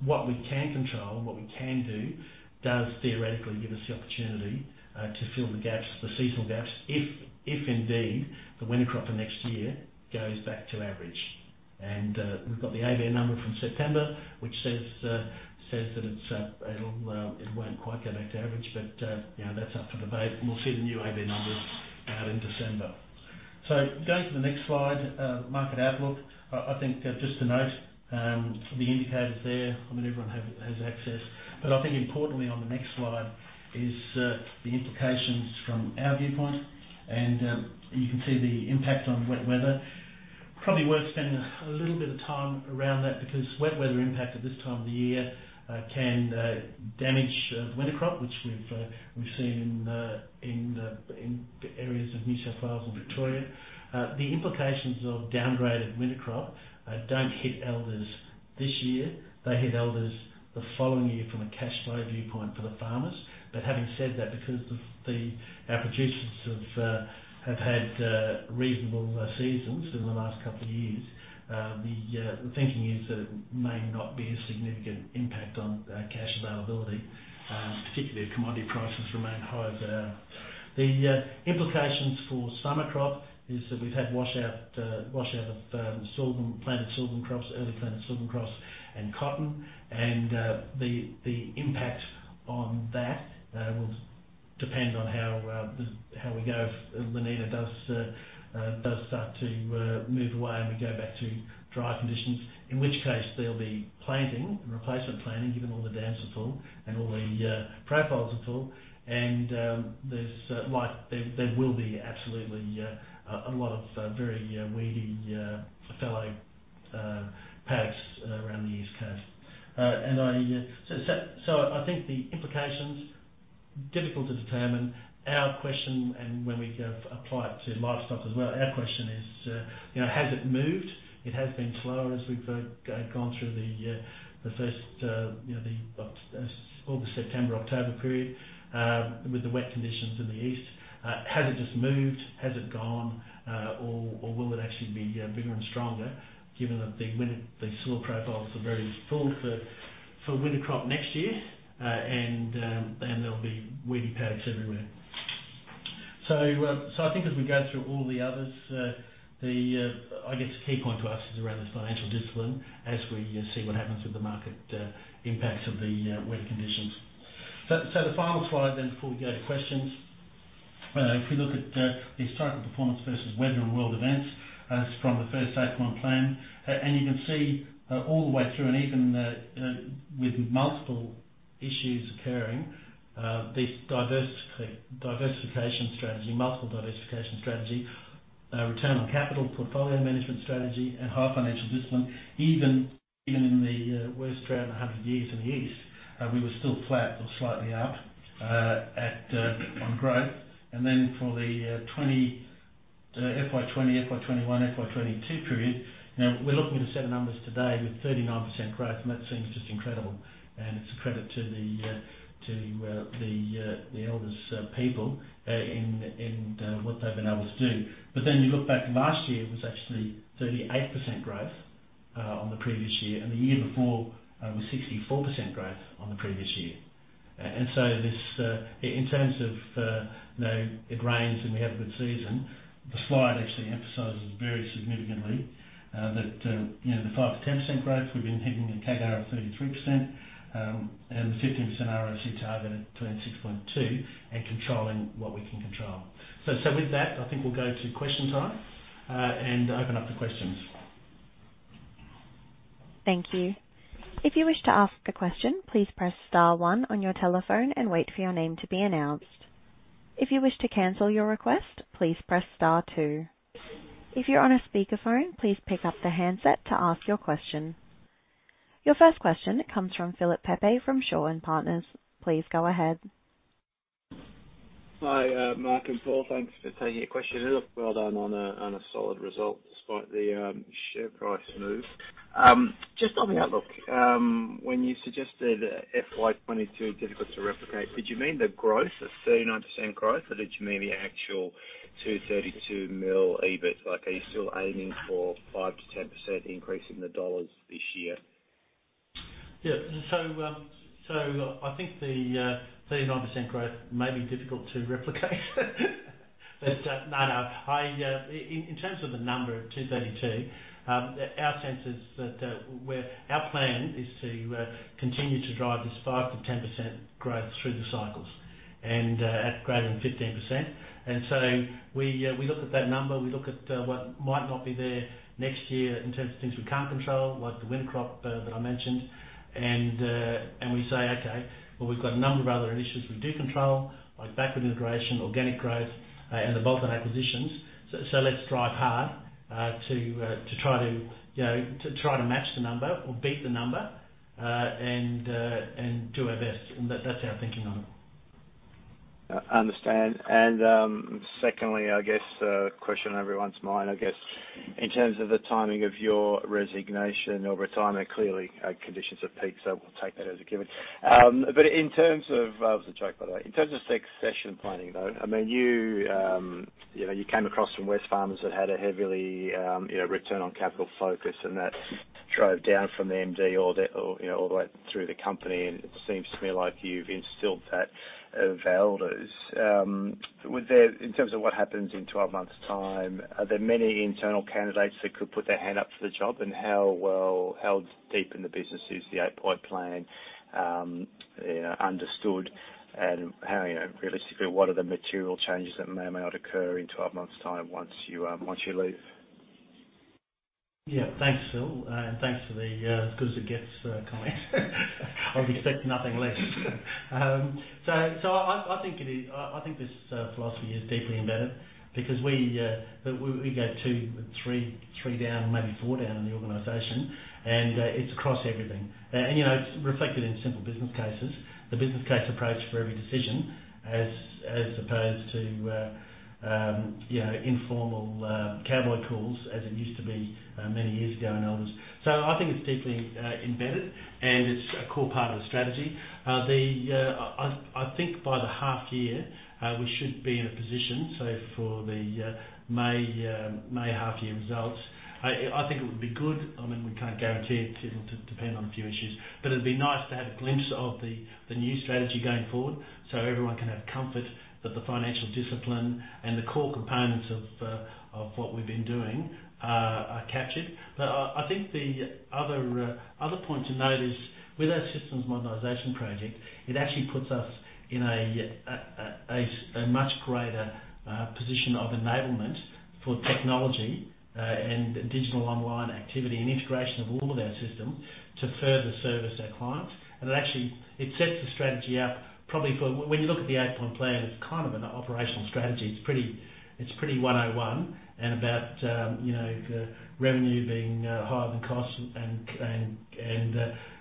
What we can control and what we can do does theoretically give us the opportunity to fill the gaps, the seasonal gaps, if indeed the winter crop of next year goes back to average. We've got the ABARES number from September, which says that it won't quite go back to average, but you know, that's up for debate, and we'll see the new ABARES numbers out in December. Going to the next slide, market outlook. I think just to note, the indicators there, I mean, everyone has access, but I think importantly on the next slide is the implications from our viewpoint. You can see the impact on wet weather. Probably worth spending a little bit of time around that because wet weather impact at this time of the year can damage winter crop, which we've seen in areas of New South Wales and Victoria. The implications of downgraded winter crop don't hit Elders this year. They hit Elders the following year from a cash flow viewpoint for the farmers. Having said that, because our producers have had reasonable seasons over the last couple of years, the thinking is that it may not be a significant impact on cash availability, particularly if commodity prices remain high as they are. The implications for summer crop is that we've had washout of early planted sorghum crops and cotton. The impact on that will depend on how we go if La Niña does start to move away and we go back to dry conditions. In which case there'll be planting, replacement planting, given all the dams are full and all the profiles are full. There's, like, there will be absolutely a lot of very weedy fallow paddocks around the East Coast. So I think the implications difficult to determine. Our question and when we go apply it to livestock as well, our question is, you know, has it moved? It has been slower as we've gone through the first you know the August, September, October period with the wet conditions in the east. Has it just moved? Has it gone? Or will it actually be bigger and stronger given that the winter the soil profiles are very full for winter crop next year? There'll be weedy paddocks everywhere. I think as we go through all the others, I guess the key point to us is around this financial discipline as we see what happens with the market impacts of the wet conditions. The final slide then before we go to questions, if we look at the historical performance versus weather and world events from the first Eight Point Plan, and you can see all the way through and even with multiple issues occurring, this diversification strategy, multiple diversification strategy, return on capital portfolio management strategy and high financial discipline, even in the worst drought in 100 years in the east, we were still flat or slightly up on growth. For the FY 2020, FY 2021, FY 2022 period, you know, we're looking at a set of numbers today with 39% growth, and that seems just incredible. It's a credit to the Elders people in what they've been able to do. You look back last year, it was actually 38% growth on the previous year, and the year before was 64% growth on the previous year. In terms of, you know, the grains and we have a good season, the slide actually emphasizes very significantly that you know the 5%-10% growth, we've been hitting a CAGR of 33%, and the 15% ROC target at 26.2% and controlling what we can control. So with that, I think we'll go to question time and open up the questions. Thank you. If you wish to ask a question, please press star one on your telephone and wait for your name to be announced. If you wish to cancel your request, please press star two. If you're on a speakerphone, please pick up the handset to ask your question. Your first question comes from Philip Pepe from Shaw and Partners. Please go ahead. Hi, Mark and Paul. Thanks for taking a question. Look, well done on a solid result despite the share price move. Just on the outlook, when you suggested FY 2022 difficult to replicate, did you mean the growth of 39% growth? Or did you mean the actual 232 million EBIT? Like, are you still aiming for 5%-10% increase in the dollars this year? Yeah. I think the 39% growth may be difficult to replicate. No. In terms of the number of 232 million, our sense is that our plan is to continue to drive this 5%-10% growth through the cycles and at greater than 15%. We look at that number, we look at what might not be there next year in terms of things we can't control, like the winter crop that I mentioned. We say, "Okay, well, we've got a number of other initiatives we do control, like backward integration, organic growth, and the bulk of our acquisitions. Let's drive hard to try to, you know, match the number or beat the number, and do our best." That's our thinking on it. Understand. Secondly, I guess, the question on everyone's mind, I guess, in terms of the timing of your resignation or retirement, clearly, conditions have peaked, so we'll take that as a given. It was a joke, by the way. In terms of succession planning, though, I mean, you know, you came across from Wesfarmers that had a heavily, you know, return on capital focus, and that drove down from the MD you know, all the way through the company. It seems to me like you've instilled that at Elders. In terms of what happens in 12 months' time, are there many internal candidates that could put their hand up for the job? How well, how deep in the business is the Eight Point Plan, you know, understood? How, you know, realistically, what are the material changes that may or may not occur in 12 months' time once you leave? Yeah. Thanks, Phil, and thanks for the "as good as it gets" comment. I'll expect nothing less. I think it is. I think this philosophy is deeply embedded because we go two, three down, maybe four down in the organization, and it's across everything. You know, it's reflected in simple business cases, the business case approach for every decision as opposed to informal cowboy calls as it used to be many years ago in Elders. I think it's deeply embedded, and it's a core part of the strategy. I think by the half-year we should be in a position, so for the May half-year results, I think it would be good. I mean, we can't guarantee it. It'll depend on a few issues. It'd be nice to have a glimpse of the new strategy going forward, so everyone can have comfort that the financial discipline and the core components of what we've been doing are captured. I think the other point to note is, with our systems modernization project, it actually puts us in a much greater position of enablement for technology and digital online activity and integration of all of our system to further service our clients. It actually sets the strategy out probably for when you look at the Eight Point Plan, it's kind of an operational strategy. It's pretty 101 and about, you know, revenue being higher than costs and,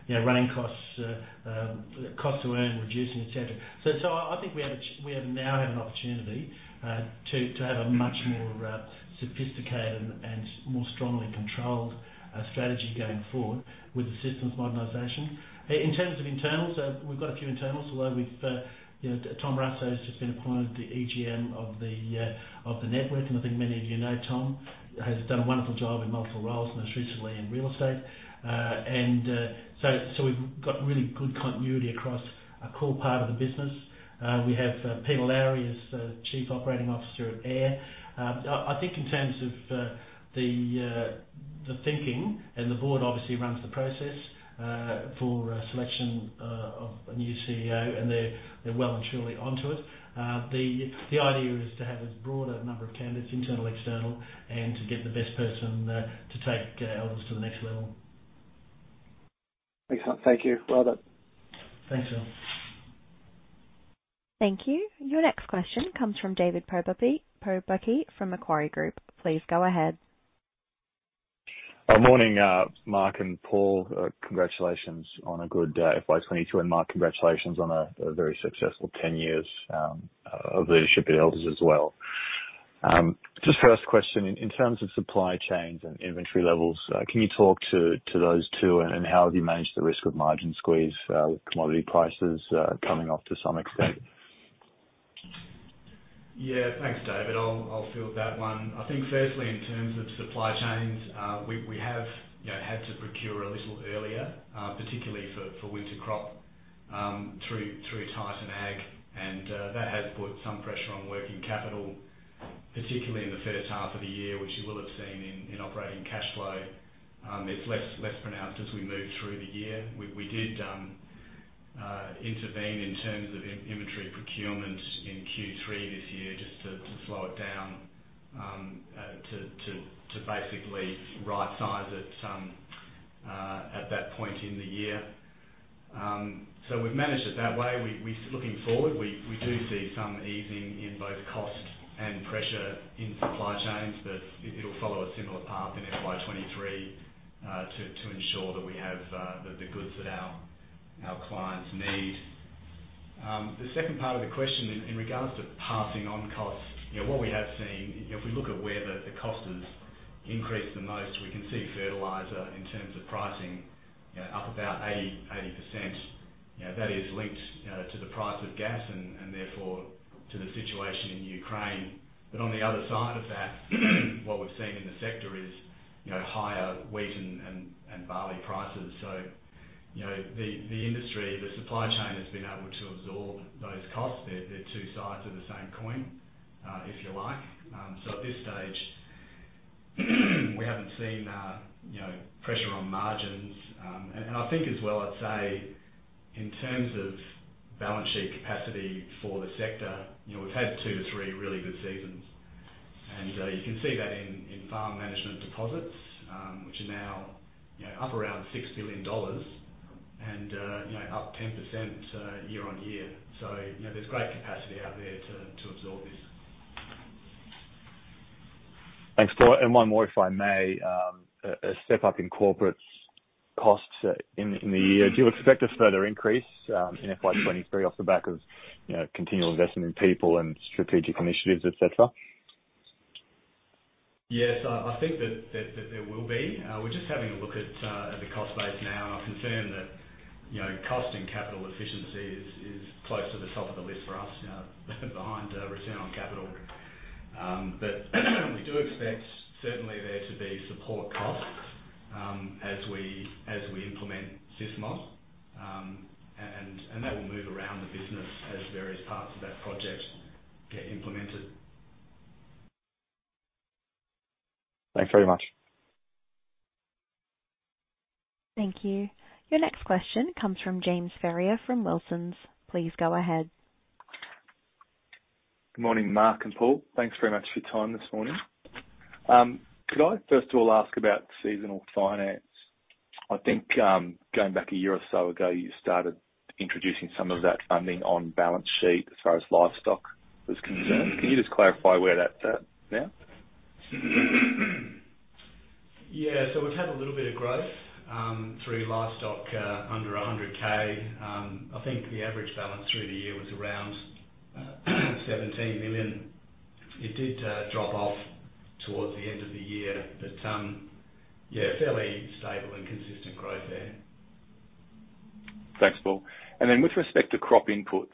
you know, running costs, cost to earn, reducing, et cetera. I think we now have an opportunity to have a much more sophisticated and more strongly controlled strategy going forward with the systems modernization. In terms of internals, we've got a few internals, although we've, you know, Tom Russo's just been appointed the EGM of the Network, and I think many of you know Tom has done a wonderful job in multiple roles, most recently in real estate. We've got really good continuity across a core part of the business. We have Pete Lowrie as Chief Operating Officer at AIRR. I think in terms of the thinking, and the board obviously runs the process for selection of a new CEO, and they're well and truly onto it. The idea is to have as broad a number of candidates, internal, external, and to get the best person to take Elders to the next level. Excellent. Thank you. Well done. Thanks, Phil. Thank you. Your next question comes from David Pobucky from Macquarie Group. Please go ahead. Morning, Mark and Paul. Congratulations on a good FY 2022, and Mark, congratulations on a very successful 10 years of leadership at Elders as well. Just first question, in terms of supply chains and inventory levels, can you talk to those two and how have you managed the risk of margin squeeze with commodity prices coming off to some extent? Yeah. Thanks, David. I'll field that one. I think firstly, in terms of supply chains, we have, you know, had to procure a little earlier, particularly for winter crop, through Titan Ag, and that has put some pressure on working capital, particularly in the first-half of the year, which you will have seen in operating cash flow. It's less pronounced as we move through the year. We did intervene in terms of inventory procurements in Q3 this year just to slow it down, to basically right-size it at that point in the year. So we've managed it that way. Looking forward, we do see some easing in both cost and pressure in supply chains that it'll follow a similar path in FY 2023 to ensure that we have the goods that our clients need. The second part of the question in regards to passing on costs, you know, what we have seen, you know, if we look at where the cost has increased the most, we can see fertilizer in terms of pricing, you know, up about 80%. You know, that is linked to the price of gas and therefore to the situation in Ukraine. On the other side of that, what we've seen in the sector is, you know, higher wheat and barley prices. You know, the industry, the supply chain has been able to absorb those costs. They're two sides of the same coin, if you like. At this stage, we haven't seen, you know, pressure on margins. I think as well, I'd say in terms of balance sheet capacity for the sector, you know, we've had two to three really good seasons. You can see that in Farm Management Deposits, which are now, you know, up around 6 billion dollars and, you know, up 10%, year-on-year, you know, there's great capacity out there to absorb this. Thanks, Paul. One more, if I may. A step up in corporate costs in the year. Do you expect a further increase in FY 2023 off the back of, you know, continual investment in people and strategic initiatives, et cetera? Yes. I think that there will be. We're just having a look at the cost base now and I'm concerned that, you know, cost and capital efficiency is close to the top of the list for us, you know, behind return on capital. We do expect certainly there to be support costs as we implement SysMod. That will move around the business as various parts of that project get implemented. Thanks very much. Thank you. Your next question comes from James Ferrier from Wilsons. Please go ahead. Good morning, Mark and Paul. Thanks very much for your time this morning. Could I first of all ask about seasonal finance? I think, going back a year or so ago, you started introducing some of that funding on balance sheet as far as livestock was concerned. Can you just clarify where that's at now? Yeah. We've had a little bit of growth through livestock, under 100,000. I think the average balance through the year was around 17 million. It did drop off towards the end of the year, but yeah, fairly stable and consistent growth there. Thanks, Paul. With respect to crop inputs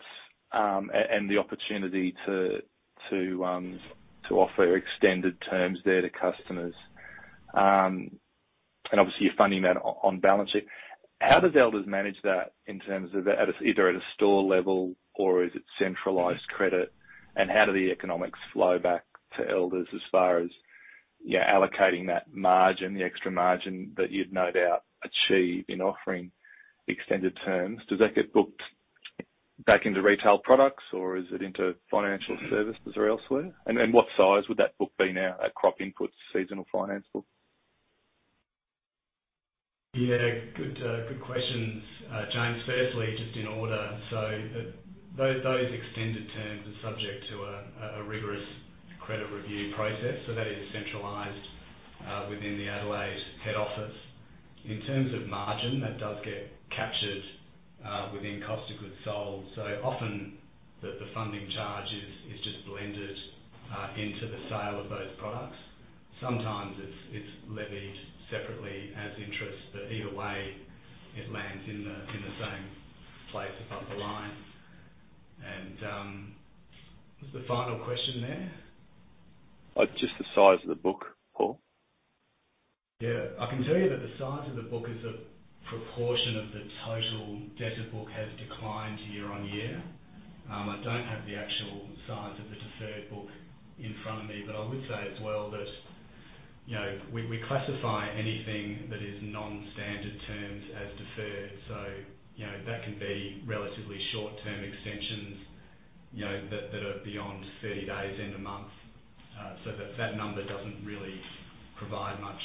and the opportunity to offer extended terms there to customers, and obviously you're funding that on balance sheet. How does Elders manage that in terms of either at a store level or is it centralized credit? How do the economics flow back to Elders as far as, you know, allocating that margin, the extra margin that you'd no doubt achieve in offering extended terms? Does that get booked back into retail products, or is it into financial services or elsewhere? What size would that book be now at crop inputs, seasonal finance book? Yeah. Good questions, James. Firstly, just in order, so those extended terms are subject to a rigorous credit review process, so that is centralized within the Adelaide head office. In terms of margin, that does get captured within cost of goods sold. Often, the funding charge is just blended into the sale of those products. Sometimes, it's levied separately as interest, but either way, it lands in the same place above the line. What was the final question there? Just the size of the book, Paul. Yeah. I can tell you that the size of the book as a proportion of the total debit book has declined year-over-year. I don't have the actual size of the deferred book in front of me, but I would say as well that, you know, we classify anything that is non-standard terms as deferred. You know, that can be relatively short-term extensions, you know, that are beyond 30 days end of month. So that number doesn't really provide much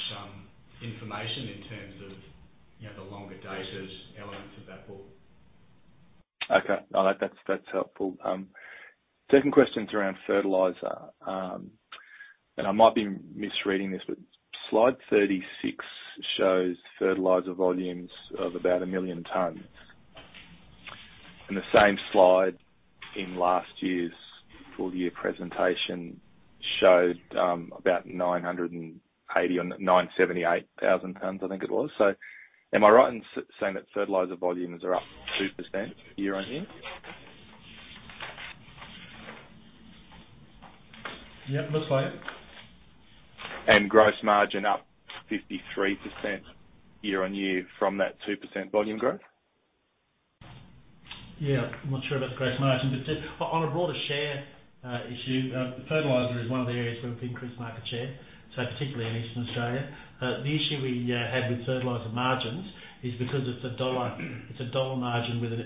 information in terms of, you know, the longer dated elements of that book. Okay. All right. That's helpful. Second question's around fertilizer. I might be misreading this, but Slide 36 shows fertilizer volumes of about a million tonnes. The same slide in last year's full-year presentation showed about 980,000 or 978,000 tonnes, I think it was. Am I right in saying that fertilizer volumes are up 2% year-on-year? Yeah, looks like it. Gross margin up 53% year-on-year from that 2% volume growth? Yeah. I'm not sure about the gross margin, but just on a broader share issue, fertilizer is one of the areas where we've increased market share, so particularly in Eastern Australia. The issue we had with fertilizer margins is because it's a dollar margin with an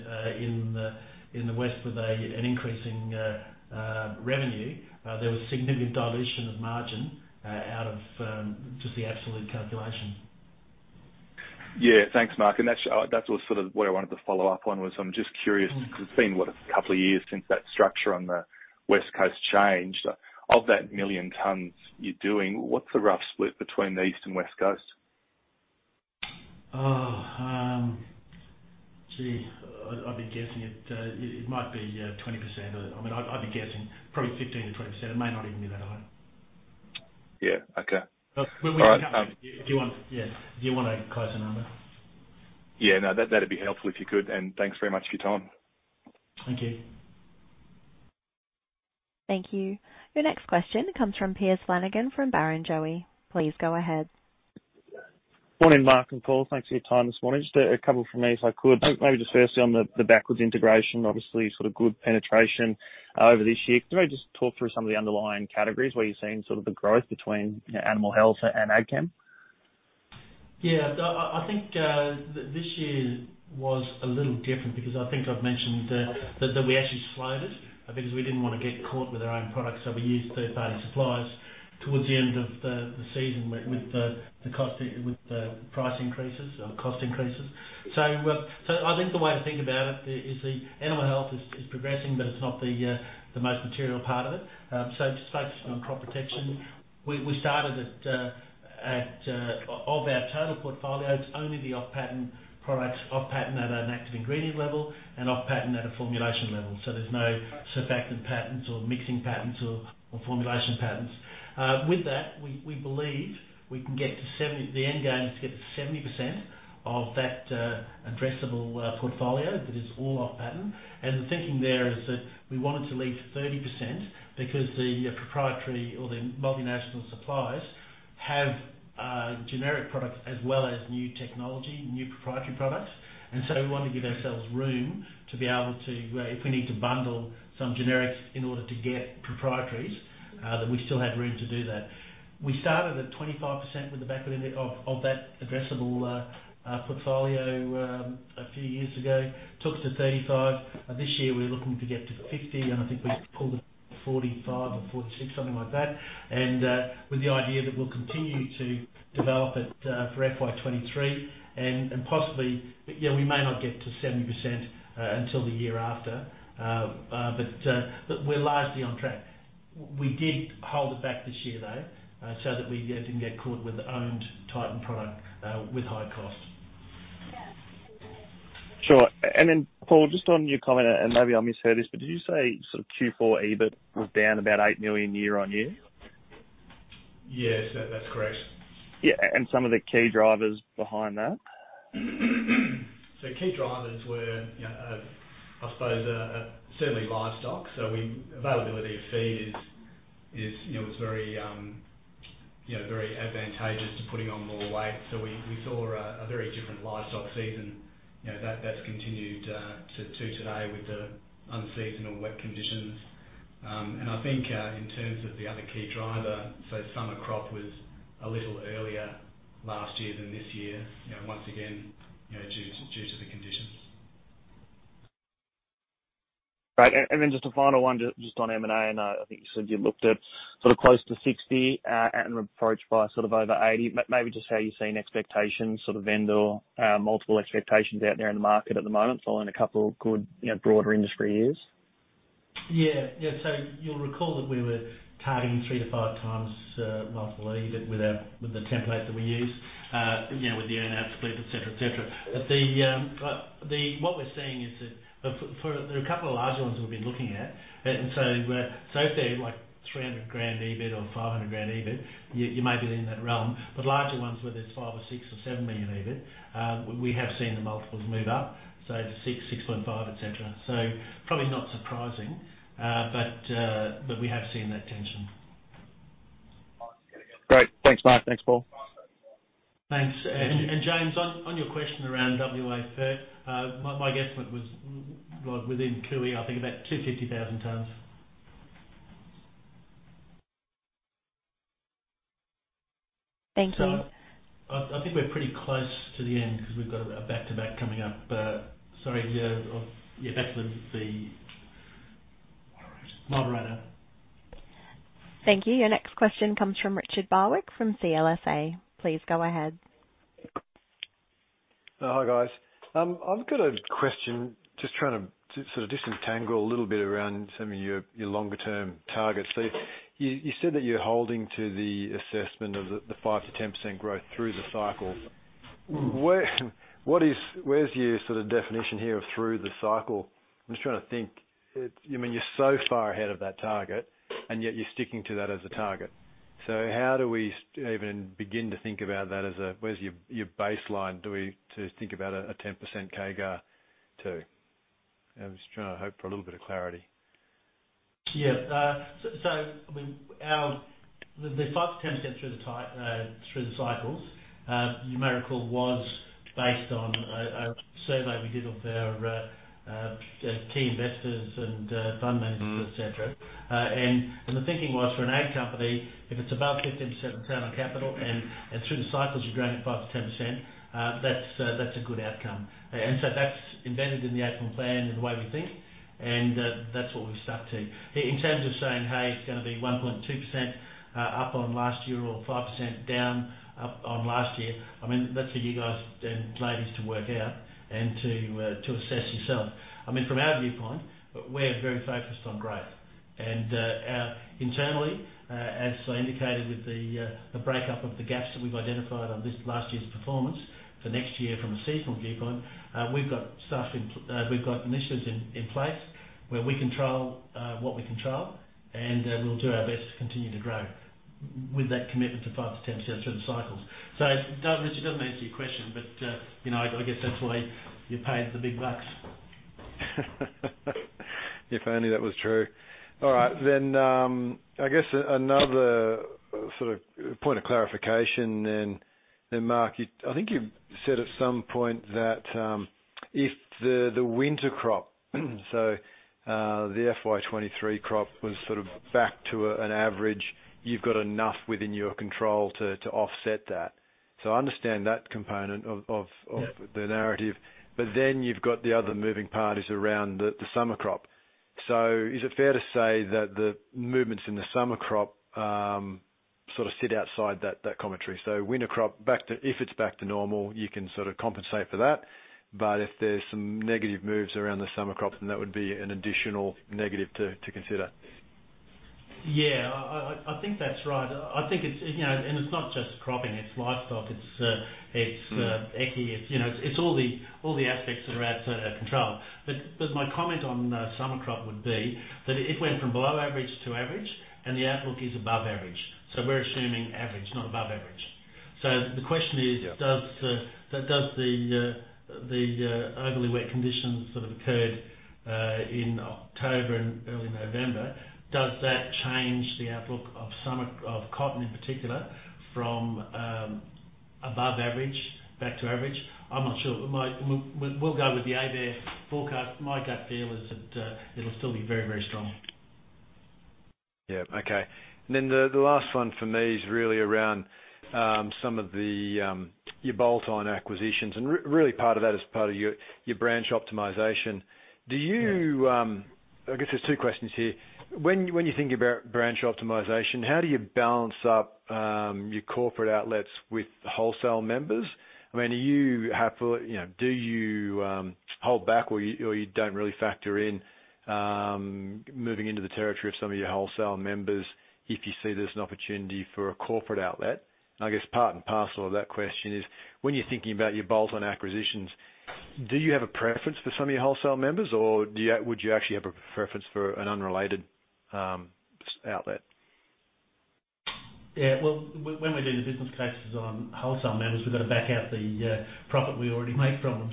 increasing revenue in the West. There was significant dilution of margin out of just the absolute calculation. Yeah. Thanks, Mark. That's sort of what I wanted to follow up on. I'm just curious, because it's been, what, a couple of years since that structure on the West Coast changed. Of that one million tons you're doing, what's the rough split between the East and West Coasts? Oh, gee, I'd be guessing it might be 20%. I mean, I'd be guessing probably 15%-20%. It may not even be that high. Yeah. Okay. Well, we can count them, if you want. Yeah, do you want a closer number? Yeah, no, that'd be helpful if you could. Thanks very much for your time. Thank you. Thank you. Your next question comes from Piers Flanagan from Barrenjoey. Please go ahead. Morning, Mark and Paul. Thanks for your time this morning. Just a couple from me, if I could. Maybe just firstly on the backward integration, obviously sort of good penetration over this year. Could you maybe just talk through some of the underlying categories where you're seeing sort of the growth between, you know, Animal Health and AgChem? Yeah. I think this year was a little different because I think I've mentioned that we actually slowed it because we didn't wanna get caught with our own products. We used third-party suppliers towards the end of the season with the price increases, cost increases. I think the way to think about it is the Animal Health is progressing, but it's not the most material part of it. Just focusing on Crop Protection, we started out of our total portfolio, it's only the off-patent products, off-patent at an active ingredient level and off-patent at a formulation level. There's no surfactant patents or mixing patents or formulation patents. With that, we believe we can get to 70%. The end game is to get to 70% of that addressable portfolio that is all off patent. The thinking there is that we wanted to leave 30% because the proprietary or the multinational suppliers have generic products as well as new technology, new proprietary products. We want to give ourselves room to be able to if we need to bundle some generics in order to get proprietaries that we still have room to do that. We started at 25% with the backward integration of that addressable portfolio a few years ago, took it to 35%. This year we're looking to get to 50%, and I think we pulled 45% or 46%, something like that. With the idea that we'll continue to develop it for FY 2023 and possibly we may not get to 70% until the year after. But we're largely on track. We did hold it back this year, though, so that we, you know, didn't get caught with owned Titan product with high costs. Sure. Then Paul, just on your comment, and maybe I misheard this, but did you say sort of Q4 EBIT was down about 8 million year-on-year? Yes, that's correct. Yeah, some of the key drivers behind that? Key drivers were, you know, I suppose, certainly livestock. Availability of feed is, you know, very advantageous to putting on more weight. We saw a very different livestock season. You know, that's continued to today with the unseasonal wet conditions. I think, in terms of the other key driver, summer crop was a little earlier last year than this year, you know, once again, you know, due to the conditions. Great. Just a final one just on M&A, and I think you said you looked at sort of close to 60, and approached by sort of over 80. Maybe just how you're seeing expectations, sort of vendor multiple expectations out there in the market at the moment following a couple of good, you know, broader industry years. You'll recall that we were targeting 3x-5x times multiple EBIT with the template that we use, you know, with the earn-outs split, et cetera. What we're seeing is that there are a couple of larger ones that we've been looking at. If they're like 300,000 EBIT or 500,000 EBIT, you may be in that realm. Larger ones where there's 5 million, 6 million-AUD7 million EBIT, we have seen the multiples move up to 6 million-6.5 million, et cetera. Probably not surprising, but we have seen that tension. Great. Thanks, Mark. Thanks, Paul. Thanks. James, on your question around WA fert, my guesstimate was within Koo Wee Rup, I think about 250,000 tons. Thank you. I think we're pretty close to the end because we've got a back-to-back coming up. Sorry, yeah. Yeah, back to the moderator. Thank you. Your next question comes from Richard Barwick from CLSA. Please go ahead. Oh, hi, guys. I've got a question just trying to to sort of disentangle a little bit around some of your longer term targets. You said that you're holding to the assessment of the 5%-10% growth through the cycle. Where's your sort of definition here of through the cycle? I'm just trying to think. It's, I mean, you're so far ahead of that target, and yet you're sticking to that as a target. How do we even begin to think about that? Where's your baseline, do we think about a 10% CAGR too? I'm just trying to hoping for a little bit of clarity. I mean, our 5%-10% through the cycles, you may recall, was based on a survey we did of our key investors and fund managers, et cetera. The thinking was for an ag company, if it's above 15% return on capital and through the cycles you're growing at 5%-10%, that's a good outcome. That's embedded in the outcome plan and the way we think, and that's what we've stuck to. In terms of saying, "Hey, it's gonna be 1.2% up on last year or 5% down up on last year," I mean, that's for you guys and ladies to work out and to assess yourself. I mean, from our viewpoint, we're very focused on growth. Our internally, as I indicated with the breakup of the gaps that we've identified on this last year's performance for next year from a seasonal viewpoint, we've got initiatives in place where we control what we control and we'll do our best to continue to grow. With that commitment to 5%-10% through the cycles. It does, Richard, it doesn't answer your question, but you know, I guess that's why you're paid the big bucks. If only that was true. All right, I guess another sort of point of clarification then. Mark, I think you said at some point that if the winter crop, so the FY 2023 crop was sort of back to an average, you've got enough within your control to offset that. I understand that component of. Yeah. The narrative, but then you've got the other moving parts around the summer crop. Is it fair to say that the movements in the summer crop sort of sit outside that commentary? Winter crop back to, if it's back to normal, you can sort of compensate for that. But if there's some negative moves around the summer crop, then that would be an additional negative to consider. Yeah. I think that's right. I think it's, you know, it's not just cropping, it's livestock, it's equity. It's, you know, it's all the aspects that are outside our control. My comment on summer crop would be that it went from below average to average and the outlook is above average. We're assuming average, not above average. The question is Yeah. Does the overly wet conditions sort of occurred in October and early November change the outlook of summer, of cotton in particular from above average back to average? I'm not sure. We'll go with the ABARES forecast. My gut feel is that it'll still be very strong. Yeah. Okay. The last one from me is really around some of the your bolt-on acquisitions. Really part of that is part of your branch optimization. Yeah. Do you, I guess there's two questions here. When you think about branch optimization, how do you balance up your corporate outlets with wholesale members? I mean, you know, do you hold back or you don't really factor in moving into the territory of some of your wholesale members if you see there's an opportunity for a corporate outlet? I guess part and parcel of that question is, when you're thinking about your bolt-on acquisitions, do you have a preference for some of your wholesale members or do you, would you actually have a preference for an unrelated standalone outlet? Yeah. Well, when we do the business cases on wholesale members, we've got to back out the profit we already make from them.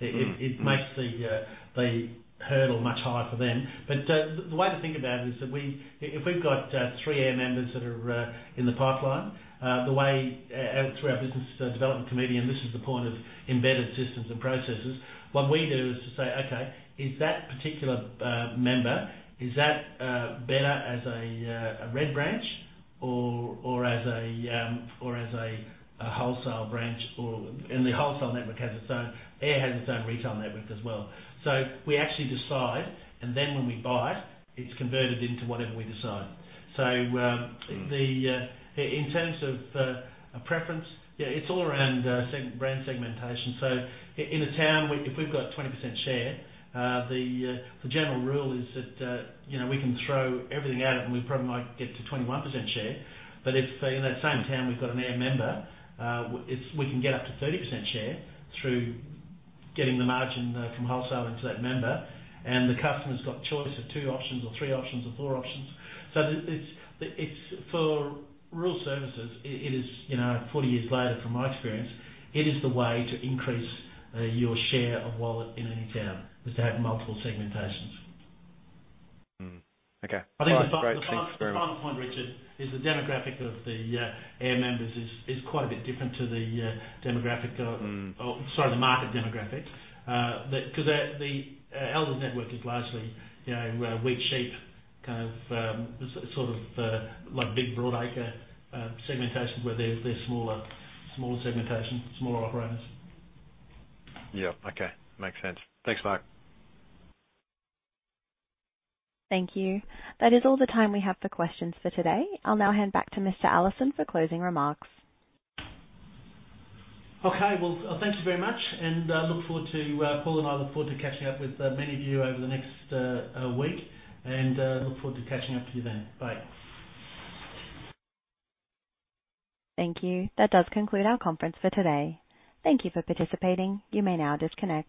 It makes the hurdle much higher for them. The way to think about it is that we, if we've got three AIRR members that are in the pipeline, the way through our business development committee, and this is the point of embedded systems and processes, what we do is to say, "Okay, is that particular member better as a red branch or as a wholesale branch or." The wholesale network has its own, AIRR has its own retail network as well. We actually decide and then when we buy it's converted into whatever we decide. In terms of a preference, yeah, it's all around segment-brand segmentation. In a town, if we've got 20% share, the general rule is that, you know, we can throw everything at it, and we probably might get to 21% share. But if in that same town we've got an AIRR member, we can get up to 30% share through getting the margin from wholesale into that member. And the customer's got choice of two options or three options or four options. For rural services, it is, you know, 40 years later, from my experience, it is the way to increase your share of wallet in any town, is to have multiple segmentations. Okay. I think. Great. Thanks very much. The final point, Richard, is the demographic of the AIRR members is quite a bit different to the demographic of, sorry, the market demographic. Because the Elders network is largely, you know, wheat, sheep, kind of, sort of, like big broad acre segmentations where they're smaller segmentation, smaller operators. Yeah. Okay. Makes sense. Thanks, Mark. Thank you. That is all the time we have for questions for today. I'll now hand back to Mr. Allison for closing remarks. Okay. Well, thank you very much, and Paul and I look forward to catching up with many of you over the next week and look forward to catching up with you then. Bye. Thank you. That does conclude our conference for today. Thank you for participating. You may now disconnect.